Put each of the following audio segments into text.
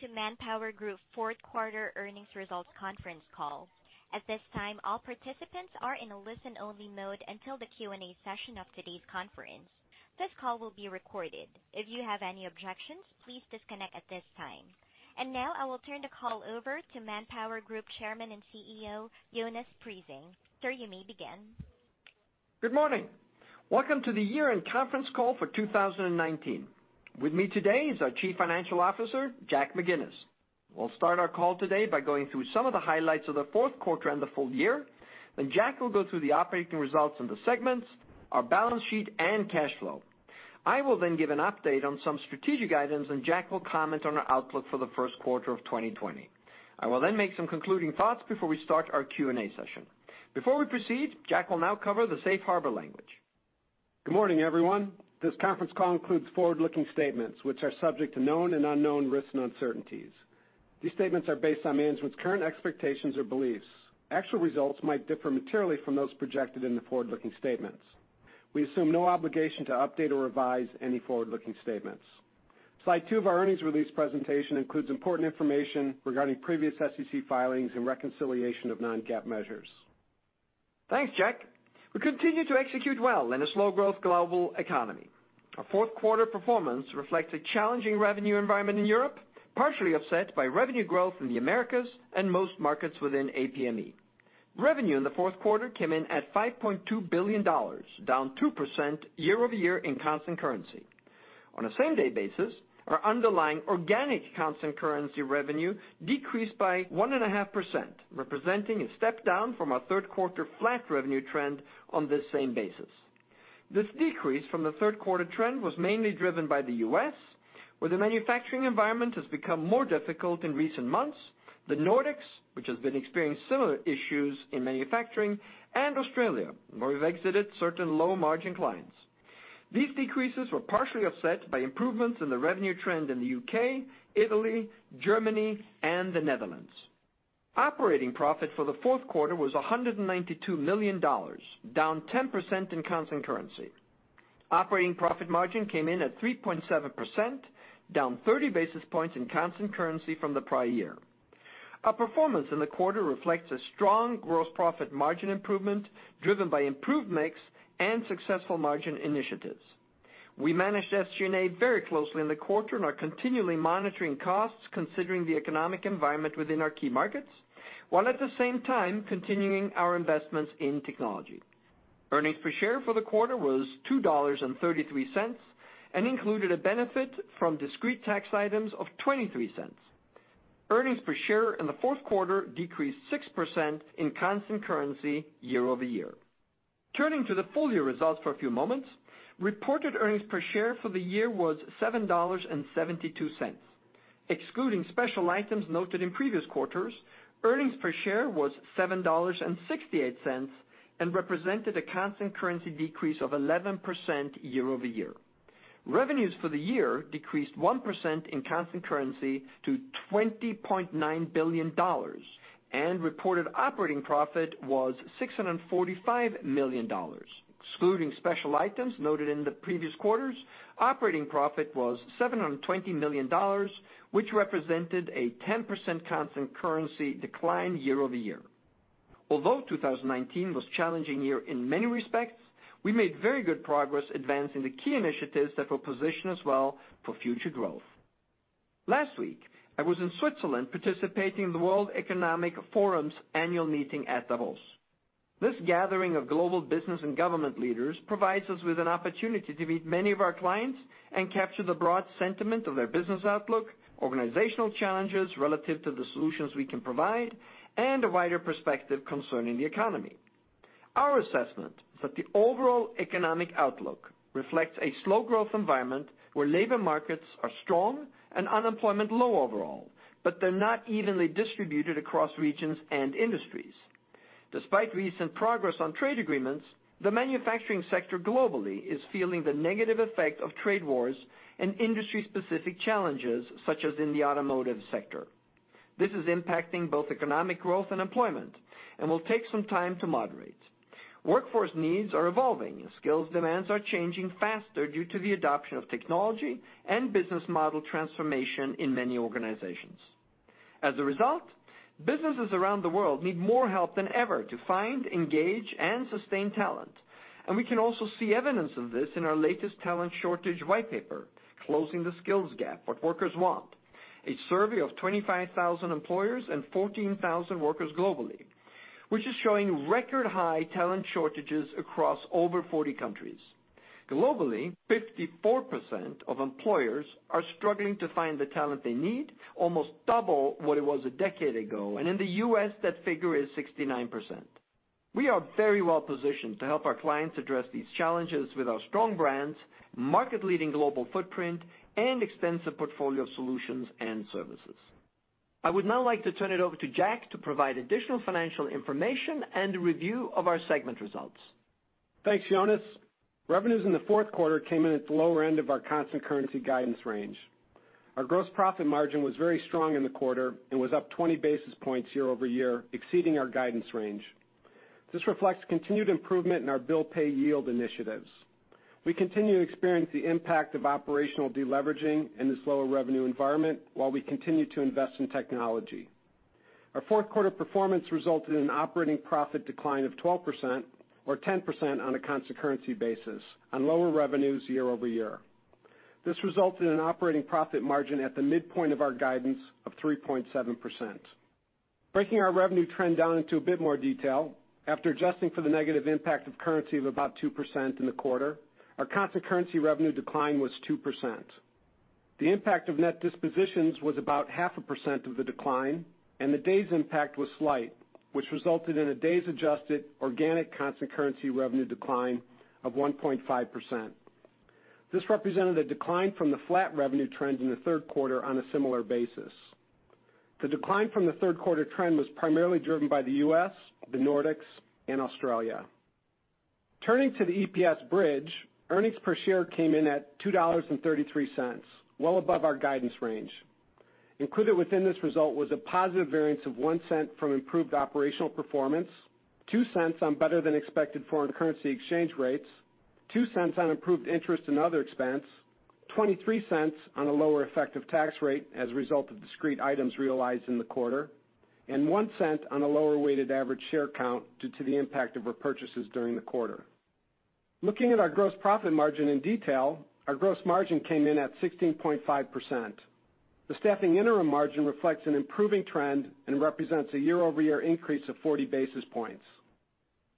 Welcome to ManpowerGroup Fourth Quarter Earnings Results Conference Call. At this time, all participants are in a listen-only mode until the Q&A session of today's conference. This call will be recorded. If you have any objections, please disconnect at this time. Now I will turn the call over to ManpowerGroup Chairman and CEO, Jonas Prising. Sir, you may begin. Good morning. Welcome to the Year-End Conference Call for 2019. With me today is our Chief Financial Officer, Jack McGinnis. We'll start our call today by going through some of the highlights of the fourth quarter and the full year, then Jack will go through the operating results in the segments, our balance sheet, and cash flow. I will then give an update on some strategic items, and Jack will comment on our outlook for the first quarter of 2020. I will then make some concluding thoughts before we start our Q&A session. Before we proceed, Jack will now cover the safe harbor language. Good morning, everyone. This conference call includes forward-looking statements, which are subject to known and unknown risks and uncertainties. These statements are based on management's current expectations or beliefs. Actual results might differ materially from those projected in the forward-looking statements. We assume no obligation to update or revise any forward-looking statements. Slide two of our earnings release presentation includes important information regarding previous SEC filings and reconciliation of non-GAAP measures. Thanks, Jack. We continue to execute well in a slow growth global economy. Our fourth quarter performance reflects a challenging revenue environment in Europe, partially offset by revenue growth in the Americas and most markets within APME. Revenue in the fourth quarter came in at $5.2 billion, down 2% year-over-year in constant currency. On a same-day basis, our underlying organic constant currency revenue decreased by 1.5%, representing a step down from our third quarter flat revenue trend on this same basis. This decrease from the third quarter trend was mainly driven by the U.S., where the manufacturing environment has become more difficult in recent months, the Nordics, which has been experiencing similar issues in manufacturing, and Australia, where we've exited certain low-margin clients. These decreases were partially offset by improvements in the revenue trend in the U.K., Italy, Germany, and the Netherlands. Operating profit for the fourth quarter was $192 million, down 10% in constant currency. Operating profit margin came in at 3.7%, down 30 basis points in constant currency from the prior year. Our performance in the quarter reflects a strong gross profit margin improvement, driven by improved mix and successful margin initiatives. We managed SG&A very closely in the quarter and are continually monitoring costs considering the economic environment within our key markets, while at the same time continuing our investments in technology. Earnings per share for the quarter was $2.33 and included a benefit from discrete tax items of $0.23. Earnings per share in the fourth quarter decreased 6% in constant currency year-over-year. Turning to the full year results for a few moments, reported earnings per share for the year was $7.72. Excluding special items noted in previous quarters, earnings per share was $7.68 and represented a constant currency decrease of 11% year-over-year. Revenues for the year decreased 1% in constant currency to $20.9 billion, and reported operating profit was $645 million. Excluding special items noted in the previous quarters, operating profit was $720 million, which represented a 10% constant currency decline year-over-year. Although 2019 was a challenging year in many respects, we made very good progress advancing the key initiatives that will position us well for future growth. Last week, I was in Switzerland participating in the World Economic Forum's annual meeting at Davos. This gathering of global business and government leaders provides us with an opportunity to meet many of our clients and capture the broad sentiment of their business outlook, organizational challenges relative to the solutions we can provide, and a wider perspective concerning the economy. Our assessment is that the overall economic outlook reflects a slow growth environment where labor markets are strong and unemployment low overall, but they're not evenly distributed across regions and industries. Despite recent progress on trade agreements, the manufacturing sector globally is feeling the negative effect of trade wars and industry-specific challenges, such as in the automotive sector. This is impacting both economic growth and employment and will take some time to moderate. Workforce needs are evolving, and skills demands are changing faster due to the adoption of technology and business model transformation in many organizations. As a result, businesses around the world need more help than ever to find, engage, and sustain talent. We can also see evidence of this in our latest talent shortage whitepaper, "Closing the Skills Gap: What Workers Want," a survey of 25,000 employers and 14,000 workers globally, which is showing record high talent shortages across over 40 countries. Globally, 54% of employers are struggling to find the talent they need, almost double what it was a decade ago. In the U.S., that figure is 69%. We are very well positioned to help our clients address these challenges with our strong brands, market-leading global footprint, and extensive portfolio of solutions and services. I would now like to turn it over to Jack to provide additional financial information and a review of our segment results. Thanks, Jonas. Revenues in the fourth quarter came in at the lower end of our constant currency guidance range. Our gross profit margin was very strong in the quarter and was up 20 basis points year-over-year, exceeding our guidance range. This reflects continued improvement in our bill pay yield initiatives. We continue to experience the impact of operational de-leveraging in this lower revenue environment while we continue to invest in technology. Our fourth quarter performance resulted in an operating profit decline of 12%, or 10% on a constant currency basis, on lower revenues year-over-year. This resulted in an operating profit margin at the midpoint of our guidance of 3.7%. Breaking our revenue trend down into a bit more detail, after adjusting for the negative impact of currency of about 2% in the quarter, our constant currency revenue decline was 2%. The impact of net dispositions was about 0.5% of the decline, and the day's impact was slight, which resulted in a days-adjusted organic constant currency revenue decline of 1.5%. This represented a decline from the flat revenue trend in the third quarter on a similar basis. The decline from the third quarter trend was primarily driven by the U.S., the Nordics, and Australia. Turning to the EPS bridge, earnings per share came in at $2.33, well above our guidance range. Included within this result was a positive variance of $0.01 from improved operational performance, $0.02 on better-than-expected foreign currency exchange rates, $0.02 on improved interest and other expense, $0.23 on a lower effective tax rate as a result of discrete items realized in the quarter, and $0.01 on a lower weighted average share count due to the impact of repurchases during the quarter. Looking at our gross profit margin in detail, our gross margin came in at 16.5%. The staffing interim margin reflects an improving trend and represents a year-over-year increase of 40 basis points.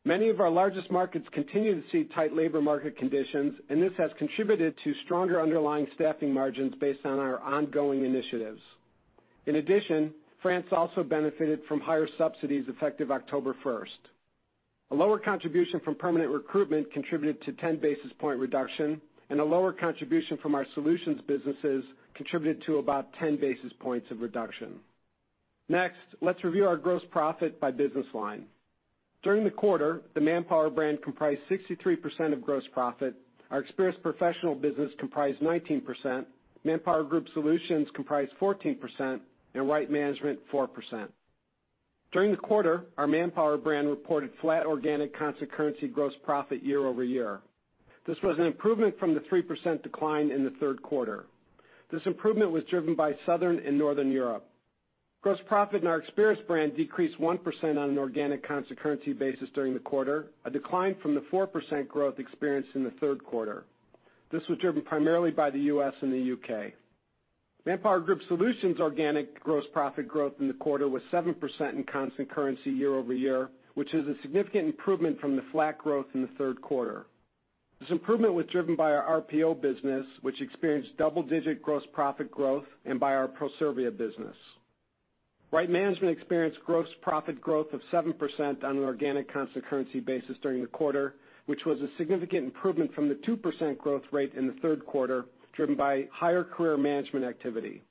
Many of our largest markets continue to see tight labor market conditions, and this has contributed to stronger underlying staffing margins based on our ongoing initiatives. In addition, France also benefited from higher subsidies effective October 1st. A lower contribution from permanent recruitment contributed to 10 basis point reduction, and a lower contribution from our solutions businesses contributed to about 10 basis points of reduction. Next, let's review our gross profit by business line. During the quarter, the Manpower brand comprised 63% of gross profit, our Experis professional business comprised 19%, ManpowerGroup Solutions comprised 14%, and Right Management 4%. During the quarter, our Manpower brand reported flat organic constant currency gross profit year-over-year. This was an improvement from the 3% decline in the third quarter. This improvement was driven by Southern and Northern Europe. Gross profit in our Experis brand decreased 1% on an organic constant currency basis during the quarter, a decline from the 4% growth experienced in the third quarter. This was driven primarily by the U.S. and the U.K. ManpowerGroup Solutions organic gross profit growth in the quarter was 7% in constant currency year-over-year, which is a significant improvement from the flat growth in the third quarter. This improvement was driven by our RPO business, which experienced double-digit gross profit growth, and by our Proservia business. Right Management experienced gross profit growth of 7% on an organic constant currency basis during the quarter, which was a significant improvement from the 2% growth rate in the third quarter, driven by higher career management activity.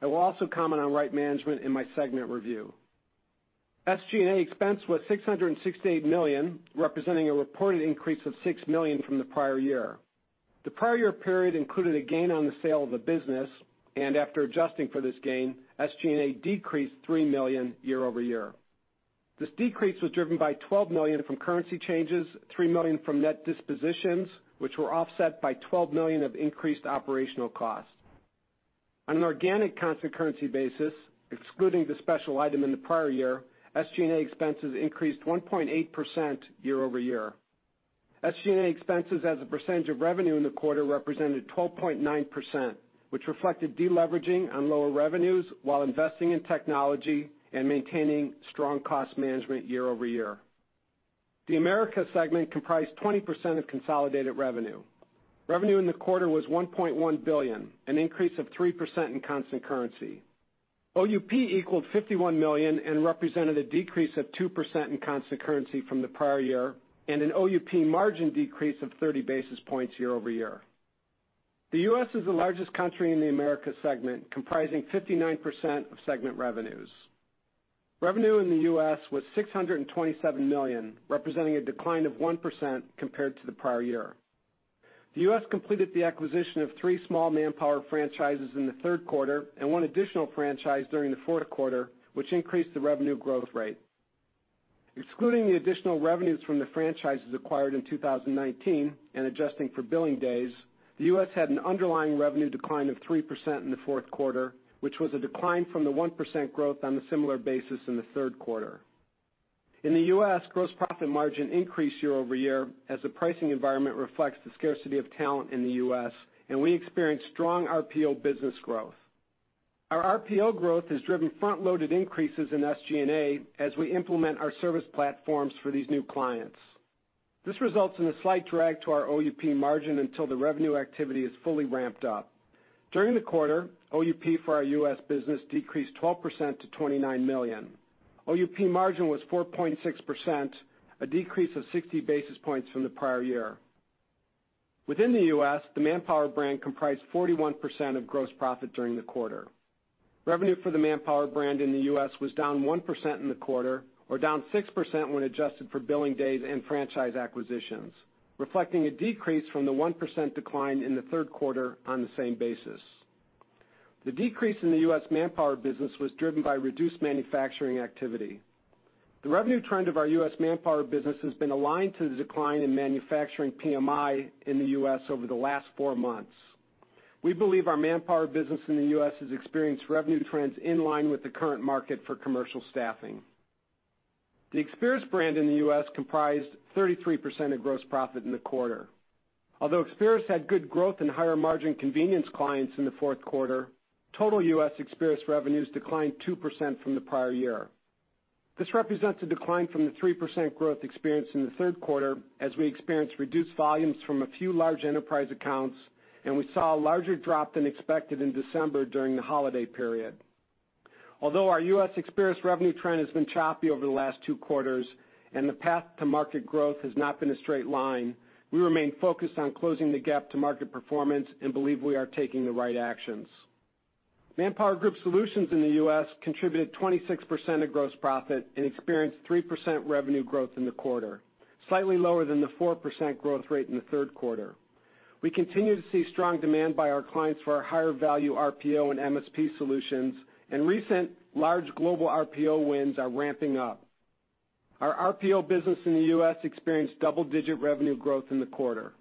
I will also comment on Right Management in my segment review. SG&A expense was $668 million, representing a reported increase of $6 million from the prior year. The prior year period included a gain on the sale of a business, and after adjusting for this gain, SG&A decreased $3 million year-over-year. This decrease was driven by $12 million from currency changes, $3 million from net dispositions, which were offset by $12 million of increased operational costs. On an organic constant currency basis, excluding the special item in the prior year, SG&A expenses increased 1.8% year-over-year. SG&A expenses as a percentage of revenue in the quarter represented 12.9%, which reflected de-leveraging on lower revenues while investing in technology and maintaining strong cost management year-over-year. The Americas segment comprised 20% of consolidated revenue. Revenue in the quarter was $1.1 billion, an increase of 3% in constant currency. OUP equaled $51 million and represented a decrease of 2% in constant currency from the prior year, and an OUP margin decrease of 30 basis points year-over-year. The U.S. is the largest country in the Americas segment, comprising 59% of segment revenues. Revenue in the U.S. was $627 million, representing a decline of 1% compared to the prior year. The U.S. completed the acquisition of three small Manpower franchises in the third quarter and one additional franchise during the fourth quarter, which increased the revenue growth rate. Excluding the additional revenues from the franchises acquired in 2019 and adjusting for billing days, the U.S. had an underlying revenue decline of 3% in the fourth quarter, which was a decline from the 1% growth on a similar basis in the third quarter. In the U.S., gross profit margin increased year-over-year as the pricing environment reflects the scarcity of talent in the U.S., and we experienced strong RPO business growth. Our RPO growth has driven front-loaded increases in SG&A as we implement our service platforms for these new clients. This results in a slight drag to our OUP margin until the revenue activity is fully ramped up. During the quarter, OUP for our U.S. business decreased 12%-$29 million. OUP margin was 4.6%, a decrease of 60 basis points from the prior year. Within the U.S., the Manpower brand comprised 41% of gross profit during the quarter. Revenue for the Manpower brand in the U.S. was down 1% in the quarter, or down 6% when adjusted for billing days and franchise acquisitions, reflecting a decrease from the 1% decline in the third quarter on the same basis. The decrease in the U.S. Manpower business was driven by reduced manufacturing activity. The revenue trend of our U.S. Manpower business has been aligned to the decline in manufacturing PMI in the U.S. over the last four months. We believe our Manpower business in the U.S. has experienced revenue trends in line with the current market for commercial staffing. The Experis brand in the U.S. comprised 33% of gross profit in the quarter. Although Experis had good growth in higher margin convenience clients in the fourth quarter, total U.S. Experis revenues declined 2% from the prior year. This represents a decline from the 3% growth experienced in the third quarter, as we experienced reduced volumes from a few large enterprise accounts, and we saw a larger drop than expected in December during the holiday period. Although our U.S. Experis revenue trend has been choppy over the last two quarters, and the path to market growth has not been a straight line, we remain focused on closing the gap to market performance and believe we are taking the right actions. ManpowerGroup Solutions in the U.S. contributed 26% of gross profit and experienced 3% revenue growth in the quarter, slightly lower than the 4% growth rate in the third quarter. We continue to see strong demand by our clients for our higher value RPO and MSP solutions, and recent large global RPO wins are ramping up. Our RPO business in the U.S. experienced double-digit revenue growth in the quarter.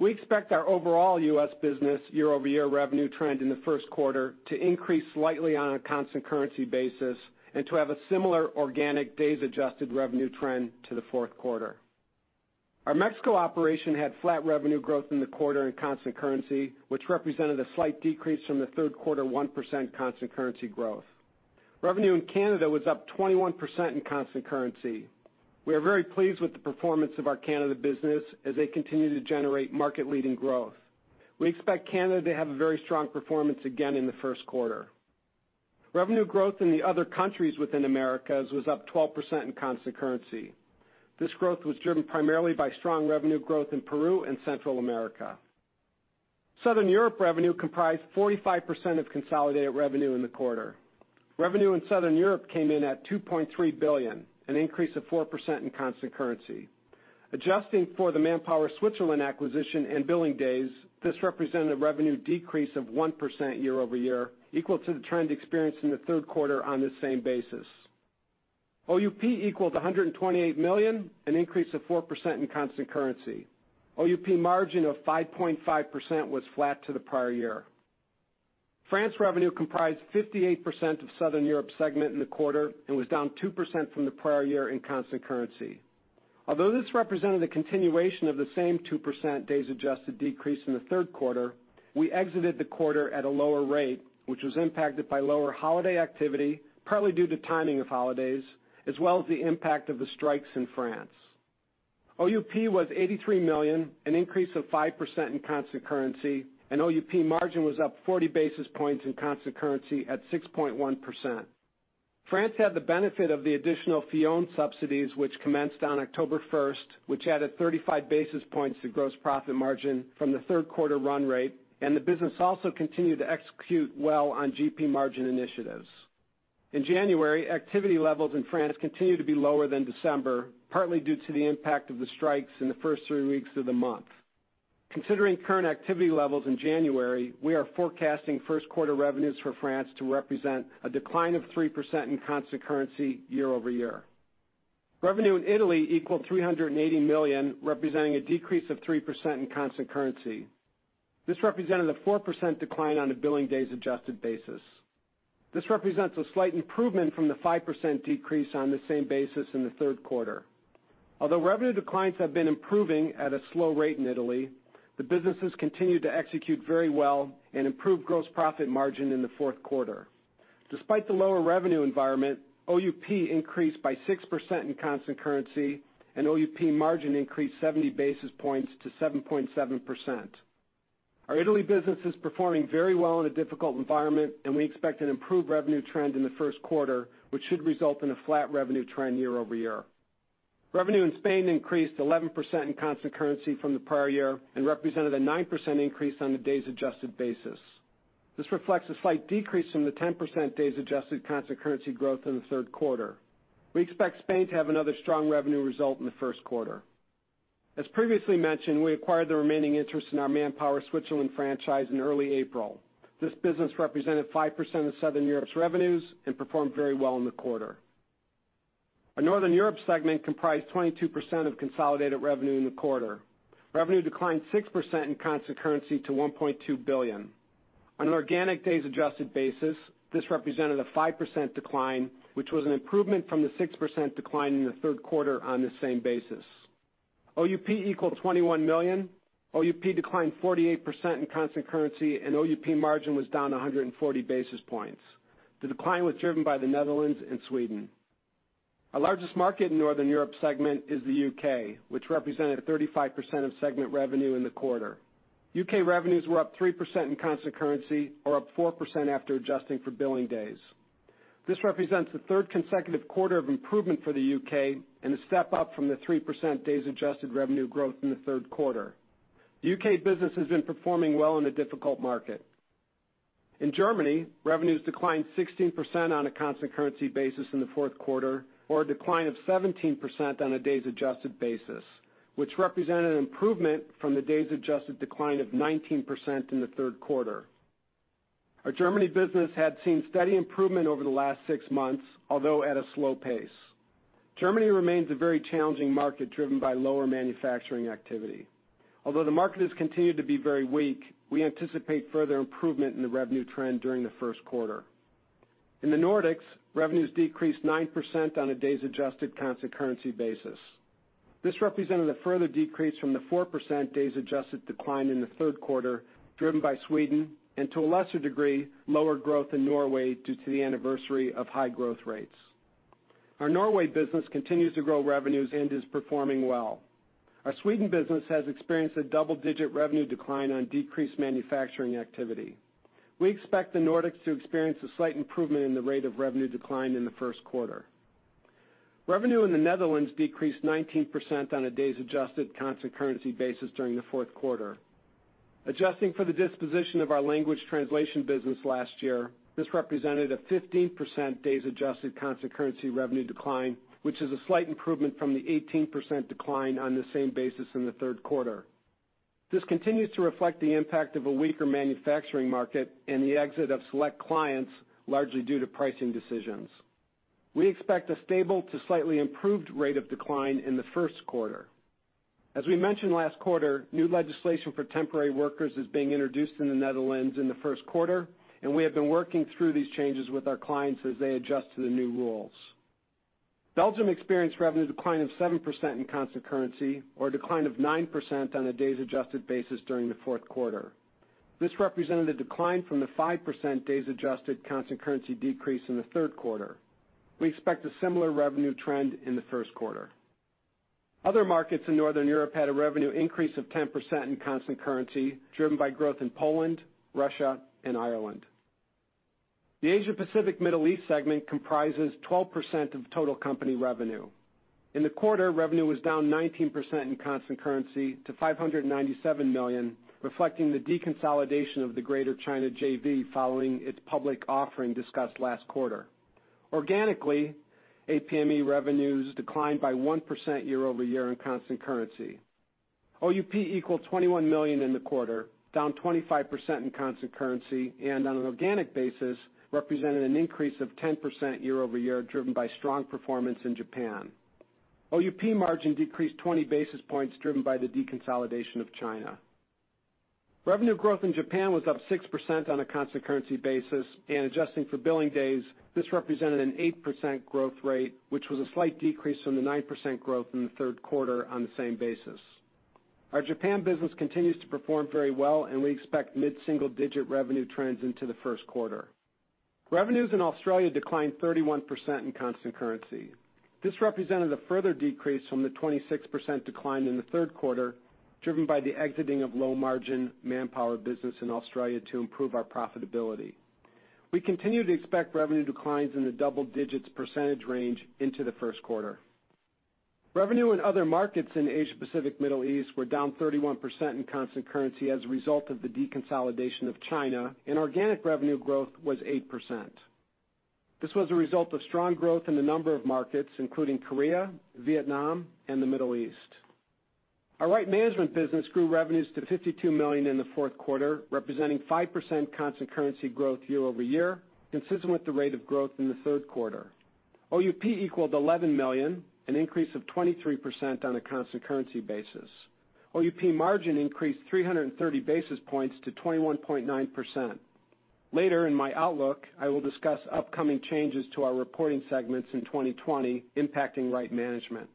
We expect our overall U.S. business year-over-year revenue trend in the first quarter to increase slightly on a constant currency basis and to have a similar organic days adjusted revenue trend to the fourth quarter. Our Mexico operation had flat revenue growth in the quarter in constant currency, which represented a slight decrease from the third quarter 1% constant currency growth. Revenue in Canada was up 21% in constant currency. We are very pleased with the performance of our Canada business as they continue to generate market-leading growth. We expect Canada to have a very strong performance again in the first quarter. Revenue growth in the other countries within Americas was up 12% in constant currency. This growth was driven primarily by strong revenue growth in Peru and Central America. Southern Europe revenue comprised 45% of consolidated revenue in the quarter. Revenue in Southern Europe came in at $2.3 billion, an increase of 4% in constant currency. Adjusting for the Manpower Switzerland acquisition and billing days, this represented a revenue decrease of 1% year-over-year, equal to the trend experienced in the third quarter on the same basis. OUP equaled $128 million, an increase of 4% in constant currency. OUP margin of 5.5% was flat to the prior year. France revenue comprised 58% of Southern Europe segment in the quarter and was down 2% from the prior year in constant currency. Although this represented a continuation of the same 2% days adjusted decrease in the third quarter, we exited the quarter at a lower rate, which was impacted by lower holiday activity, probably due to timing of holidays, as well as the impact of the strikes in France. OUP was $83 million, an increase of 5% in constant currency, and OUP margin was up 40 basis points in constant currency at 6.1%. France had the benefit of the additional Fillon subsidies, which commenced on October 1st, which added 35 basis points to gross profit margin from the third quarter run rate, and the business also continued to execute well on GP margin initiatives. In January, activity levels in France continued to be lower than December, partly due to the impact of the strikes in the first three weeks of the month. Considering current activity levels in January, we are forecasting first quarter revenues for France to represent a decline of 3% in constant currency year-over-year. Revenue in Italy equaled $380 million, representing a decrease of 3% in constant currency. This represented a 4% decline on a billing days adjusted basis. This represents a slight improvement from the 5% decrease on the same basis in the third quarter. Although revenue declines have been improving at a slow rate in Italy, the businesses continued to execute very well and improve gross profit margin in the fourth quarter. Despite the lower revenue environment, OUP increased by 6% in constant currency, and OUP margin increased 70 basis points to 7.7%. Our Italy business is performing very well in a difficult environment, and we expect an improved revenue trend in the first quarter, which should result in a flat revenue trend year-over-year. Revenue in Spain increased 11% in constant currency from the prior year and represented a 9% increase on the days adjusted basis. This reflects a slight decrease from the 10% days adjusted constant currency growth in the third quarter. We expect Spain to have another strong revenue result in the first quarter. As previously mentioned, we acquired the remaining interest in our Manpower Switzerland franchise in early April. This business represented 5% of Southern Europe's revenues and performed very well in the quarter. Our Northern Europe segment comprised 22% of consolidated revenue in the quarter. Revenue declined 6% in constant currency to $1.2 billion. On an organic days adjusted basis, this represented a 5% decline, which was an improvement from the 6% decline in the third quarter on the same basis. OUP equaled $21 million. OUP declined 48% in constant currency, and OUP margin was down 140 basis points. The decline was driven by the Netherlands and Sweden. Our largest market in Northern Europe segment is the U.K., which represented 35% of segment revenue in the quarter. U.K. revenues were up 3% in constant currency or up 4% after adjusting for billing days. This represents the third consecutive quarter of improvement for the U.K. and a step up from the 3% days adjusted revenue growth in the third quarter. The U.K. business has been performing well in a difficult market. In Germany, revenues declined 16% on a constant currency basis in the fourth quarter or a decline of 17% on a days adjusted basis. Which represented an improvement from the days adjusted decline of 19% in the third quarter. Our Germany business had seen steady improvement over the last six months, although at a slow pace. Germany remains a very challenging market, driven by lower manufacturing activity. Although the market has continued to be very weak, we anticipate further improvement in the revenue trend during the first quarter. In the Nordics, revenues decreased 9% on a days-adjusted constant currency basis. This represented a further decrease from the 4% days-adjusted decline in the third quarter, driven by Sweden, and to a lesser degree, lower growth in Norway due to the anniversary of high growth rates. Our Norway business continues to grow revenues and is performing well. Our Sweden business has experienced a double-digit revenue decline on decreased manufacturing activity. We expect the Nordics to experience a slight improvement in the rate of revenue decline in the first quarter. Revenue in the Netherlands decreased 19% on a days-adjusted constant currency basis during the fourth quarter. Adjusting for the disposition of our language translation business last year, this represented a 15% days-adjusted constant currency revenue decline, which is a slight improvement from the 18% decline on the same basis in the third quarter. This continues to reflect the impact of a weaker manufacturing market and the exit of select clients, largely due to pricing decisions. We expect a stable to slightly improved rate of decline in the first quarter. As we mentioned last quarter, new legislation for temporary workers is being introduced in the Netherlands in the first quarter, and we have been working through these changes with our clients as they adjust to the new rules. Belgium experienced revenue decline of 7% in constant currency or a decline of 9% on a days adjusted basis during the fourth quarter. This represented a decline from the 5% days adjusted constant currency decrease in the third quarter. We expect a similar revenue trend in the first quarter. Other markets in Northern Europe had a revenue increase of 10% in constant currency, driven by growth in Poland, Russia, and Ireland. The Asia Pacific Middle East segment comprises 12% of total company revenue. In the quarter, revenue was down 19% in constant currency to $597 million, reflecting the deconsolidation of the Greater China JV following its public offering discussed last quarter. Organically, APME revenues declined by 1% year-over-year in constant currency. OUP equaled $21 million in the quarter, down 25% in constant currency, and on an organic basis, represented an increase of 10% year-over-year, driven by strong performance in Japan. OUP margin decreased 20 basis points, driven by the deconsolidation of China. Revenue growth in Japan was up 6% on a constant currency basis, and adjusting for billing days, this represented an 8% growth rate, which was a slight decrease from the 9% growth in the third quarter on the same basis. Our Japan business continues to perform very well, and we expect mid-single-digit revenue trends into the first quarter. Revenues in Australia declined 31% in constant currency. This represented a further decrease from the 26% decline in the third quarter, driven by the exiting of low-margin Manpower business in Australia to improve our profitability. We continue to expect revenue declines in the double-digits percentage range into the first quarter. Revenue in other markets in Asia Pacific, Middle East were down 31% in constant currency as a result of the deconsolidation of China. Organic revenue growth was 8%. This was a result of strong growth in the number of markets, including Korea, Vietnam, and the Middle East. Our Right Management business grew revenues to $52 million in the fourth quarter, representing 5% constant currency growth year-over-year, consistent with the rate of growth in the third quarter. OUP equaled $11 million, an increase of 23% on a constant currency basis. OUP margin increased 330 basis points to 21.9%. Later in my outlook, I will discuss upcoming changes to our reporting segments in 2020 impacting Right Management.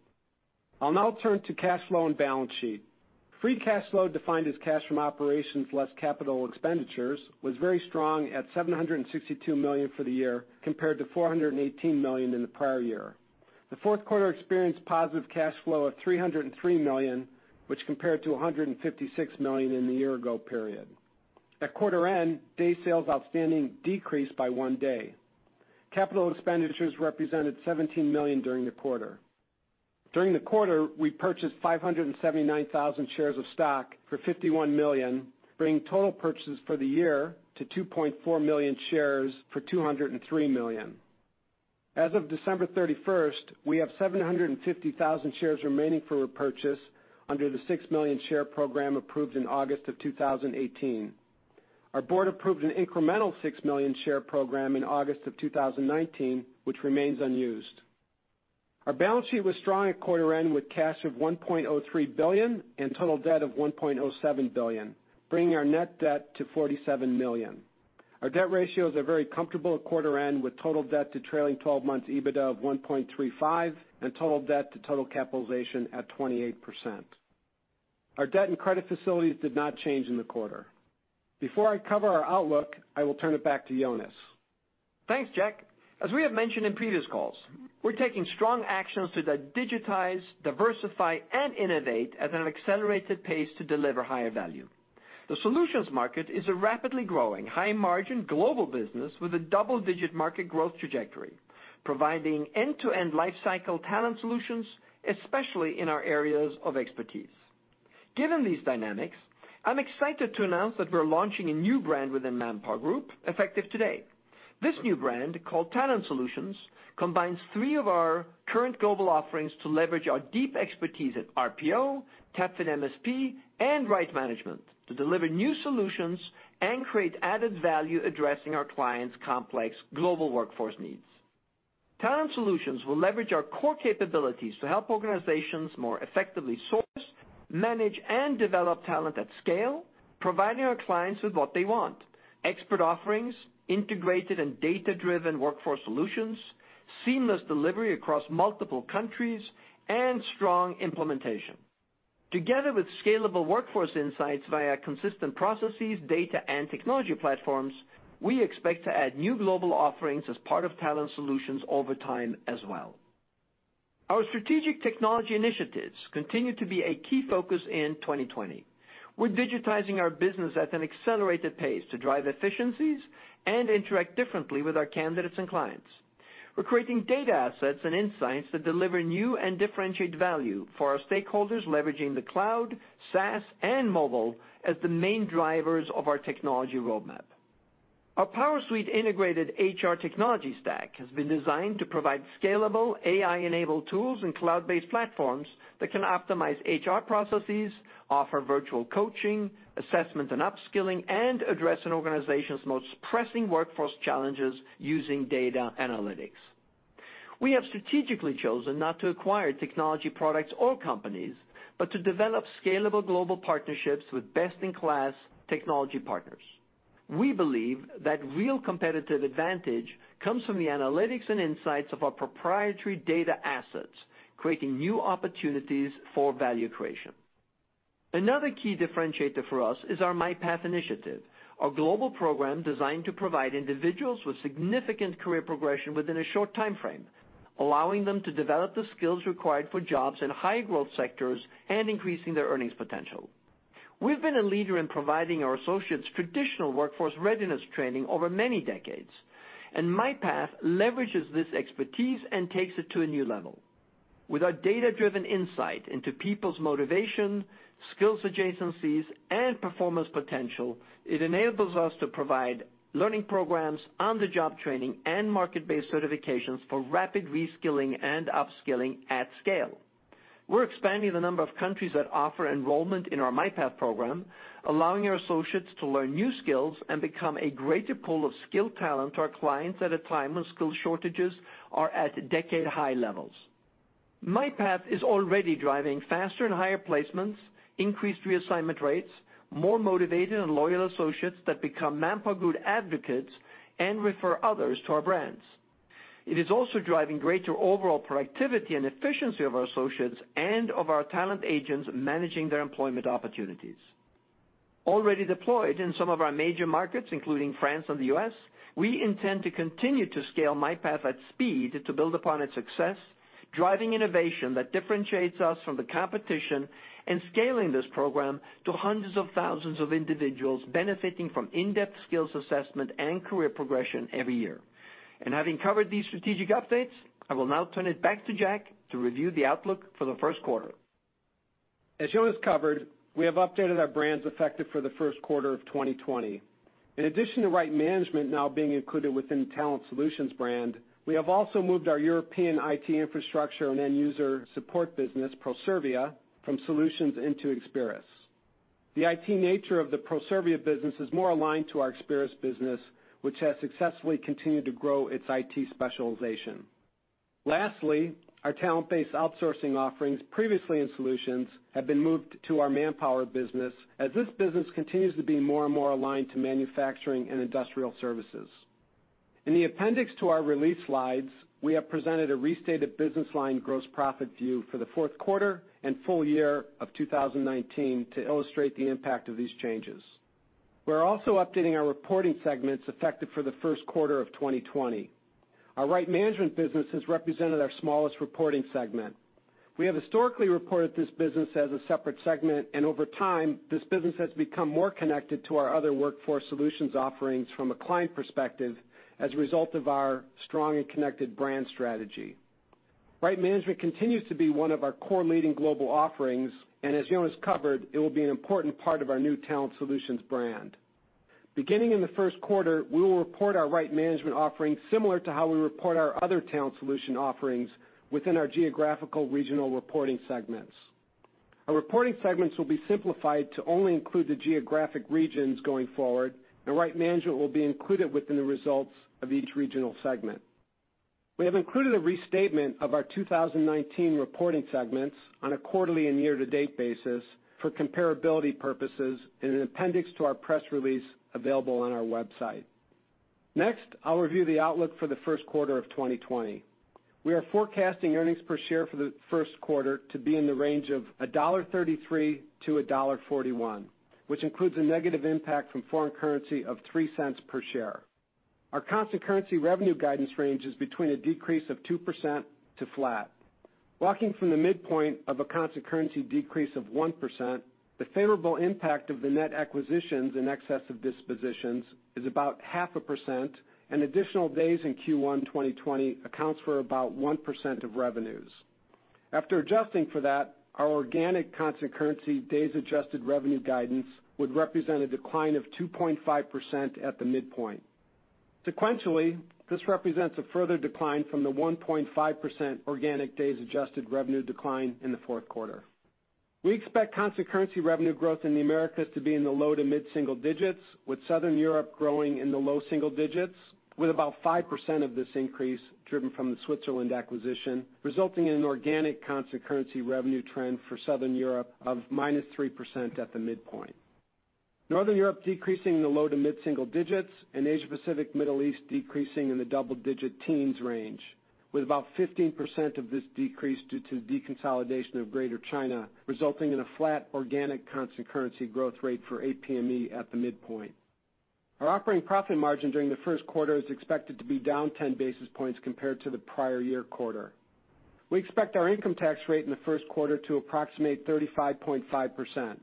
I'll now turn to cash flow and balance sheet. Free cash flow defined as cash from operations less capital expenditures was very strong at $762 million for the year compared to $418 million in the prior year. The fourth quarter experienced positive cash flow of $303 million, which compared to $156 million in the year-ago period. At quarter end, day sales outstanding decreased by one day. Capital expenditures represented $17 million during the quarter. During the quarter, we purchased 579,000 shares of stock for $51 million, bringing total purchases for the year to 2.4 million shares for $203 million. As of December 31st, we have 750,000 shares remaining for repurchase under the 6 million share program approved in August of 2018. Our board approved an incremental 6 million share program in August of 2019, which remains unused. Our balance sheet was strong at quarter end with cash of $1.03 billion and total debt of $1.07 billion, bringing our net debt to $47 million. Our debt ratios are very comfortable at quarter end with total debt to trailing 12 months EBITDA of 1.35 and total debt to total capitalization at 28%. Our debt and credit facilities did not change in the quarter. Before I cover our outlook, I will turn it back to Jonas. Thanks, Jack. As we have mentioned in previous calls, we're taking strong actions to digitize, diversify, and innovate at an accelerated pace to deliver higher value. The solutions market is a rapidly growing, high margin global business with a double-digit market growth trajectory, providing end-to-end lifecycle talent solutions, especially in our areas of expertise. Given these dynamics, I'm excited to announce that we're launching a new brand within ManpowerGroup effective today. This new brand, called Talent Solutions, combines three of our current global offerings to leverage our deep expertise at RPO, Staffing MSP, and Right Management to deliver new solutions and create added value addressing our clients' complex global workforce needs. Talent Solutions will leverage our core capabilities to help organizations more effectively source, manage, and develop talent at scale, providing our clients with what they want: expert offerings, integrated and data-driven workforce solutions, seamless delivery across multiple countries, and strong implementation. Together with scalable workforce insights via consistent processes, data, and technology platforms, we expect to add new global offerings as part of Talent Solutions over time as well. Our strategic technology initiatives continue to be a key focus in 2020. We're digitizing our business at an accelerated pace to drive efficiencies and interact differently with our candidates and clients. We're creating data assets and insights that deliver new and differentiated value for our stakeholders, leveraging the cloud, SaaS, and mobile as the main drivers of our technology roadmap. Our PowerSuite integrated HR technology stack has been designed to provide scalable, AI-enabled tools and cloud-based platforms that can optimize HR processes, offer virtual coaching, assessment, and upskilling, and address an organization's most pressing workforce challenges using data analytics. We have strategically chosen not to acquire technology products or companies, but to develop scalable global partnerships with best-in-class technology partners. We believe that real competitive advantage comes from the analytics and insights of our proprietary data assets, creating new opportunities for value creation. Another key differentiator for us is our MyPath initiative, a global program designed to provide individuals with significant career progression within a short timeframe, allowing them to develop the skills required for jobs in high-growth sectors and increasing their earnings potential. We've been a leader in providing our associates traditional workforce readiness training over many decades, and MyPath leverages this expertise and takes it to a new level. With our data-driven insight into people's motivation, skills adjacencies, and performance potential, it enables us to provide learning programs, on-the-job training, and market-based certifications for rapid reskilling and upskilling at scale. We're expanding the number of countries that offer enrollment in our MyPath program, allowing our associates to learn new skills and become a greater pool of skilled talent to our clients at a time when skill shortages are at decade high levels. MyPath is already driving faster and higher placements, increased reassignment rates, more motivated and loyal associates that become ManpowerGroup advocates and refer others to our brands. It is also driving greater overall productivity and efficiency of our associates and of our talent agents managing their employment opportunities. Already deployed in some of our major markets, including France and the U.S., we intend to continue to scale MyPath at speed to build upon its success, driving innovation that differentiates us from the competition, and scaling this program to hundreds of thousands of individuals benefiting from in-depth skills assessment and career progression every year. Having covered these strategic updates, I will now turn it back to Jack to review the outlook for the first quarter. As Jonas covered, we have updated our brands effective for the first quarter of 2020. In addition to Right Management now being included within Talent Solutions brand, we have also moved our European IT infrastructure and end-user support business, Proservia, from Solutions into Experis. The IT nature of the Proservia business is more aligned to our Experis business, which has successfully continued to grow its IT specialization. Lastly, our talent-based outsourcing offerings previously in Solutions have been moved to our Manpower business as this business continues to be more and more aligned to manufacturing and industrial services. In the appendix to our release slides, we have presented a restated business line gross profit view for the fourth quarter and full year of 2019 to illustrate the impact of these changes. We're also updating our reporting segments effective for the first quarter of 2020. Our Right Management business has represented our smallest reporting segment. We have historically reported this business as a separate segment, and over time, this business has become more connected to our other Workforce Solutions offerings from a client perspective as a result of our strong and connected brand strategy. Right Management continues to be one of our core leading global offerings, and as Jonas covered, it will be an important part of our new Talent Solutions brand. Beginning in the first quarter, we will report our Right Management offerings similar to how we report our other Talent Solutions offerings within our geographical regional reporting segments. Our reporting segments will be simplified to only include the geographic regions going forward, and Right Management will be included within the results of each regional segment. I'll review the outlook for the first quarter of 2020. We are forecasting earnings per share for the first quarter to be in the range of $1.33-$1.41, which includes a negative impact from foreign currency of $0.03 per share. Our constant currency revenue guidance range is between a decrease of 2% to flat. Walking from the midpoint of a constant currency decrease of 1%, the favorable impact of the net acquisitions in excess of dispositions is about half a %, and additional days in Q1 2020 accounts for about 1% of revenues. After adjusting for that, our organic constant currency days adjusted revenue guidance would represent a decline of 2.5% at the midpoint. Sequentially, this represents a further decline from the 1.5% organic days adjusted revenue decline in the fourth quarter. We expect constant currency revenue growth in the Americas to be in the low to mid-single digits, with Southern Europe growing in the low single digits with about 5% of this increase driven from the Switzerland acquisition, resulting in an organic constant currency revenue trend for Southern Europe of -3% at the midpoint. Northern Europe decreasing in the low to mid-single digits, and Asia Pacific Middle East decreasing in the double-digit teens range, with about 15% of this decrease due to deconsolidation of Greater China, resulting in a flat organic constant currency growth rate for APME at the midpoint. Our operating profit margin during the first quarter is expected to be down 10 basis points compared to the prior year quarter. We expect our income tax rate in the first quarter to approximate 35.5%.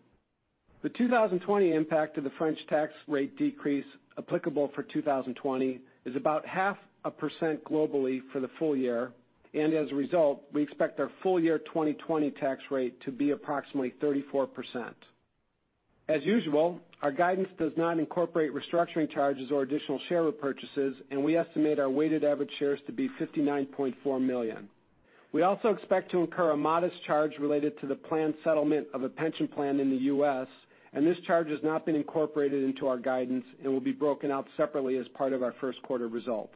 The 2020 impact of the French tax rate decrease applicable for 2020 is about half a percent globally for the full year, and as a result, we expect our full year 2020 tax rate to be approximately 34%. As usual, our guidance does not incorporate restructuring charges or additional share repurchases, and we estimate our weighted average shares to be 59.4 million. We also expect to incur a modest charge related to the planned settlement of a pension plan in the U.S., and this charge has not been incorporated into our guidance and will be broken out separately as part of our first quarter results.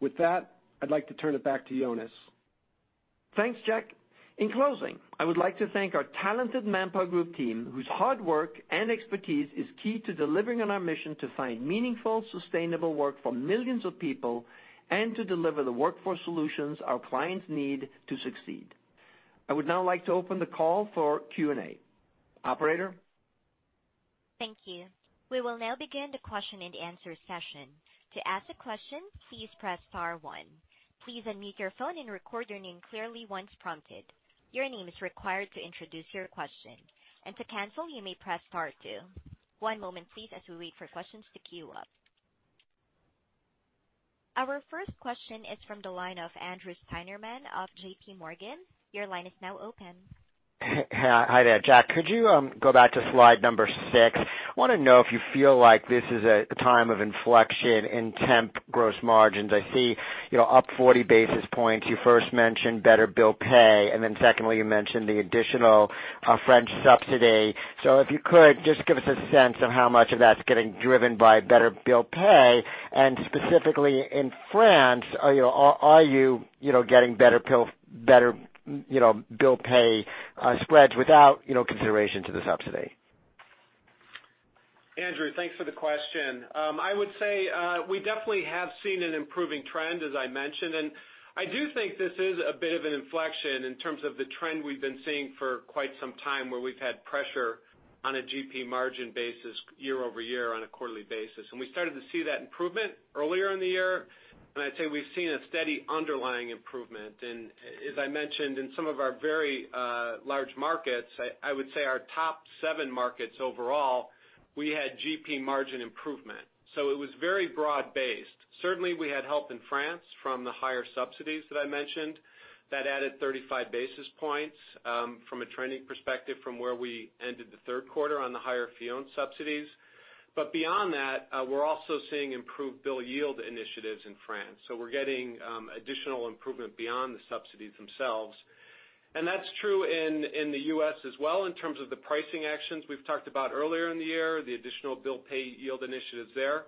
With that, I'd like to turn it back to Jonas. Thanks, Jack. In closing, I would like to thank our talented ManpowerGroup team, whose hard work and expertise is key to delivering on our mission to find meaningful, sustainable work for millions of people and to deliver the workforce solutions our clients need to succeed. I would now like to open the call for Q&A. Operator? Our first question is from the line of Andrew Steinerman of JPMorgan. Your line is now open. Hi there. Jack, could you go back to slide number six? I want to know if you feel like this is a time of inflection in temp gross margins. I see up 40 basis points. You first mentioned better bill pay, then secondly, you mentioned the additional French subsidy. If you could, just give us a sense of how much of that's getting driven by better bill pay, specifically in France, are you getting better bill pay spreads without consideration to the subsidy? Andrew, thanks for the question. I would say we definitely have seen an improving trend, as I mentioned, and I do think this is a bit of an inflection in terms of the trend we've been seeing for quite some time, where we've had pressure on a GP margin basis year-over-year on a quarterly basis. We started to see that improvement earlier in the year. I'd say we've seen a steady underlying improvement. As I mentioned, in some of our very large markets, I would say our top seven markets overall, we had GP margin improvement. It was very broad-based. Certainly, we had help in France from the higher subsidies that I mentioned. That added 35 basis points from a trending perspective from where we ended the third quarter on the higher Fillon subsidies. Beyond that, we're also seeing improved bill yield initiatives in France. We're getting additional improvement beyond the subsidies themselves. That's true in the U.S. as well in terms of the pricing actions we've talked about earlier in the year, the additional bill pay yield initiatives there.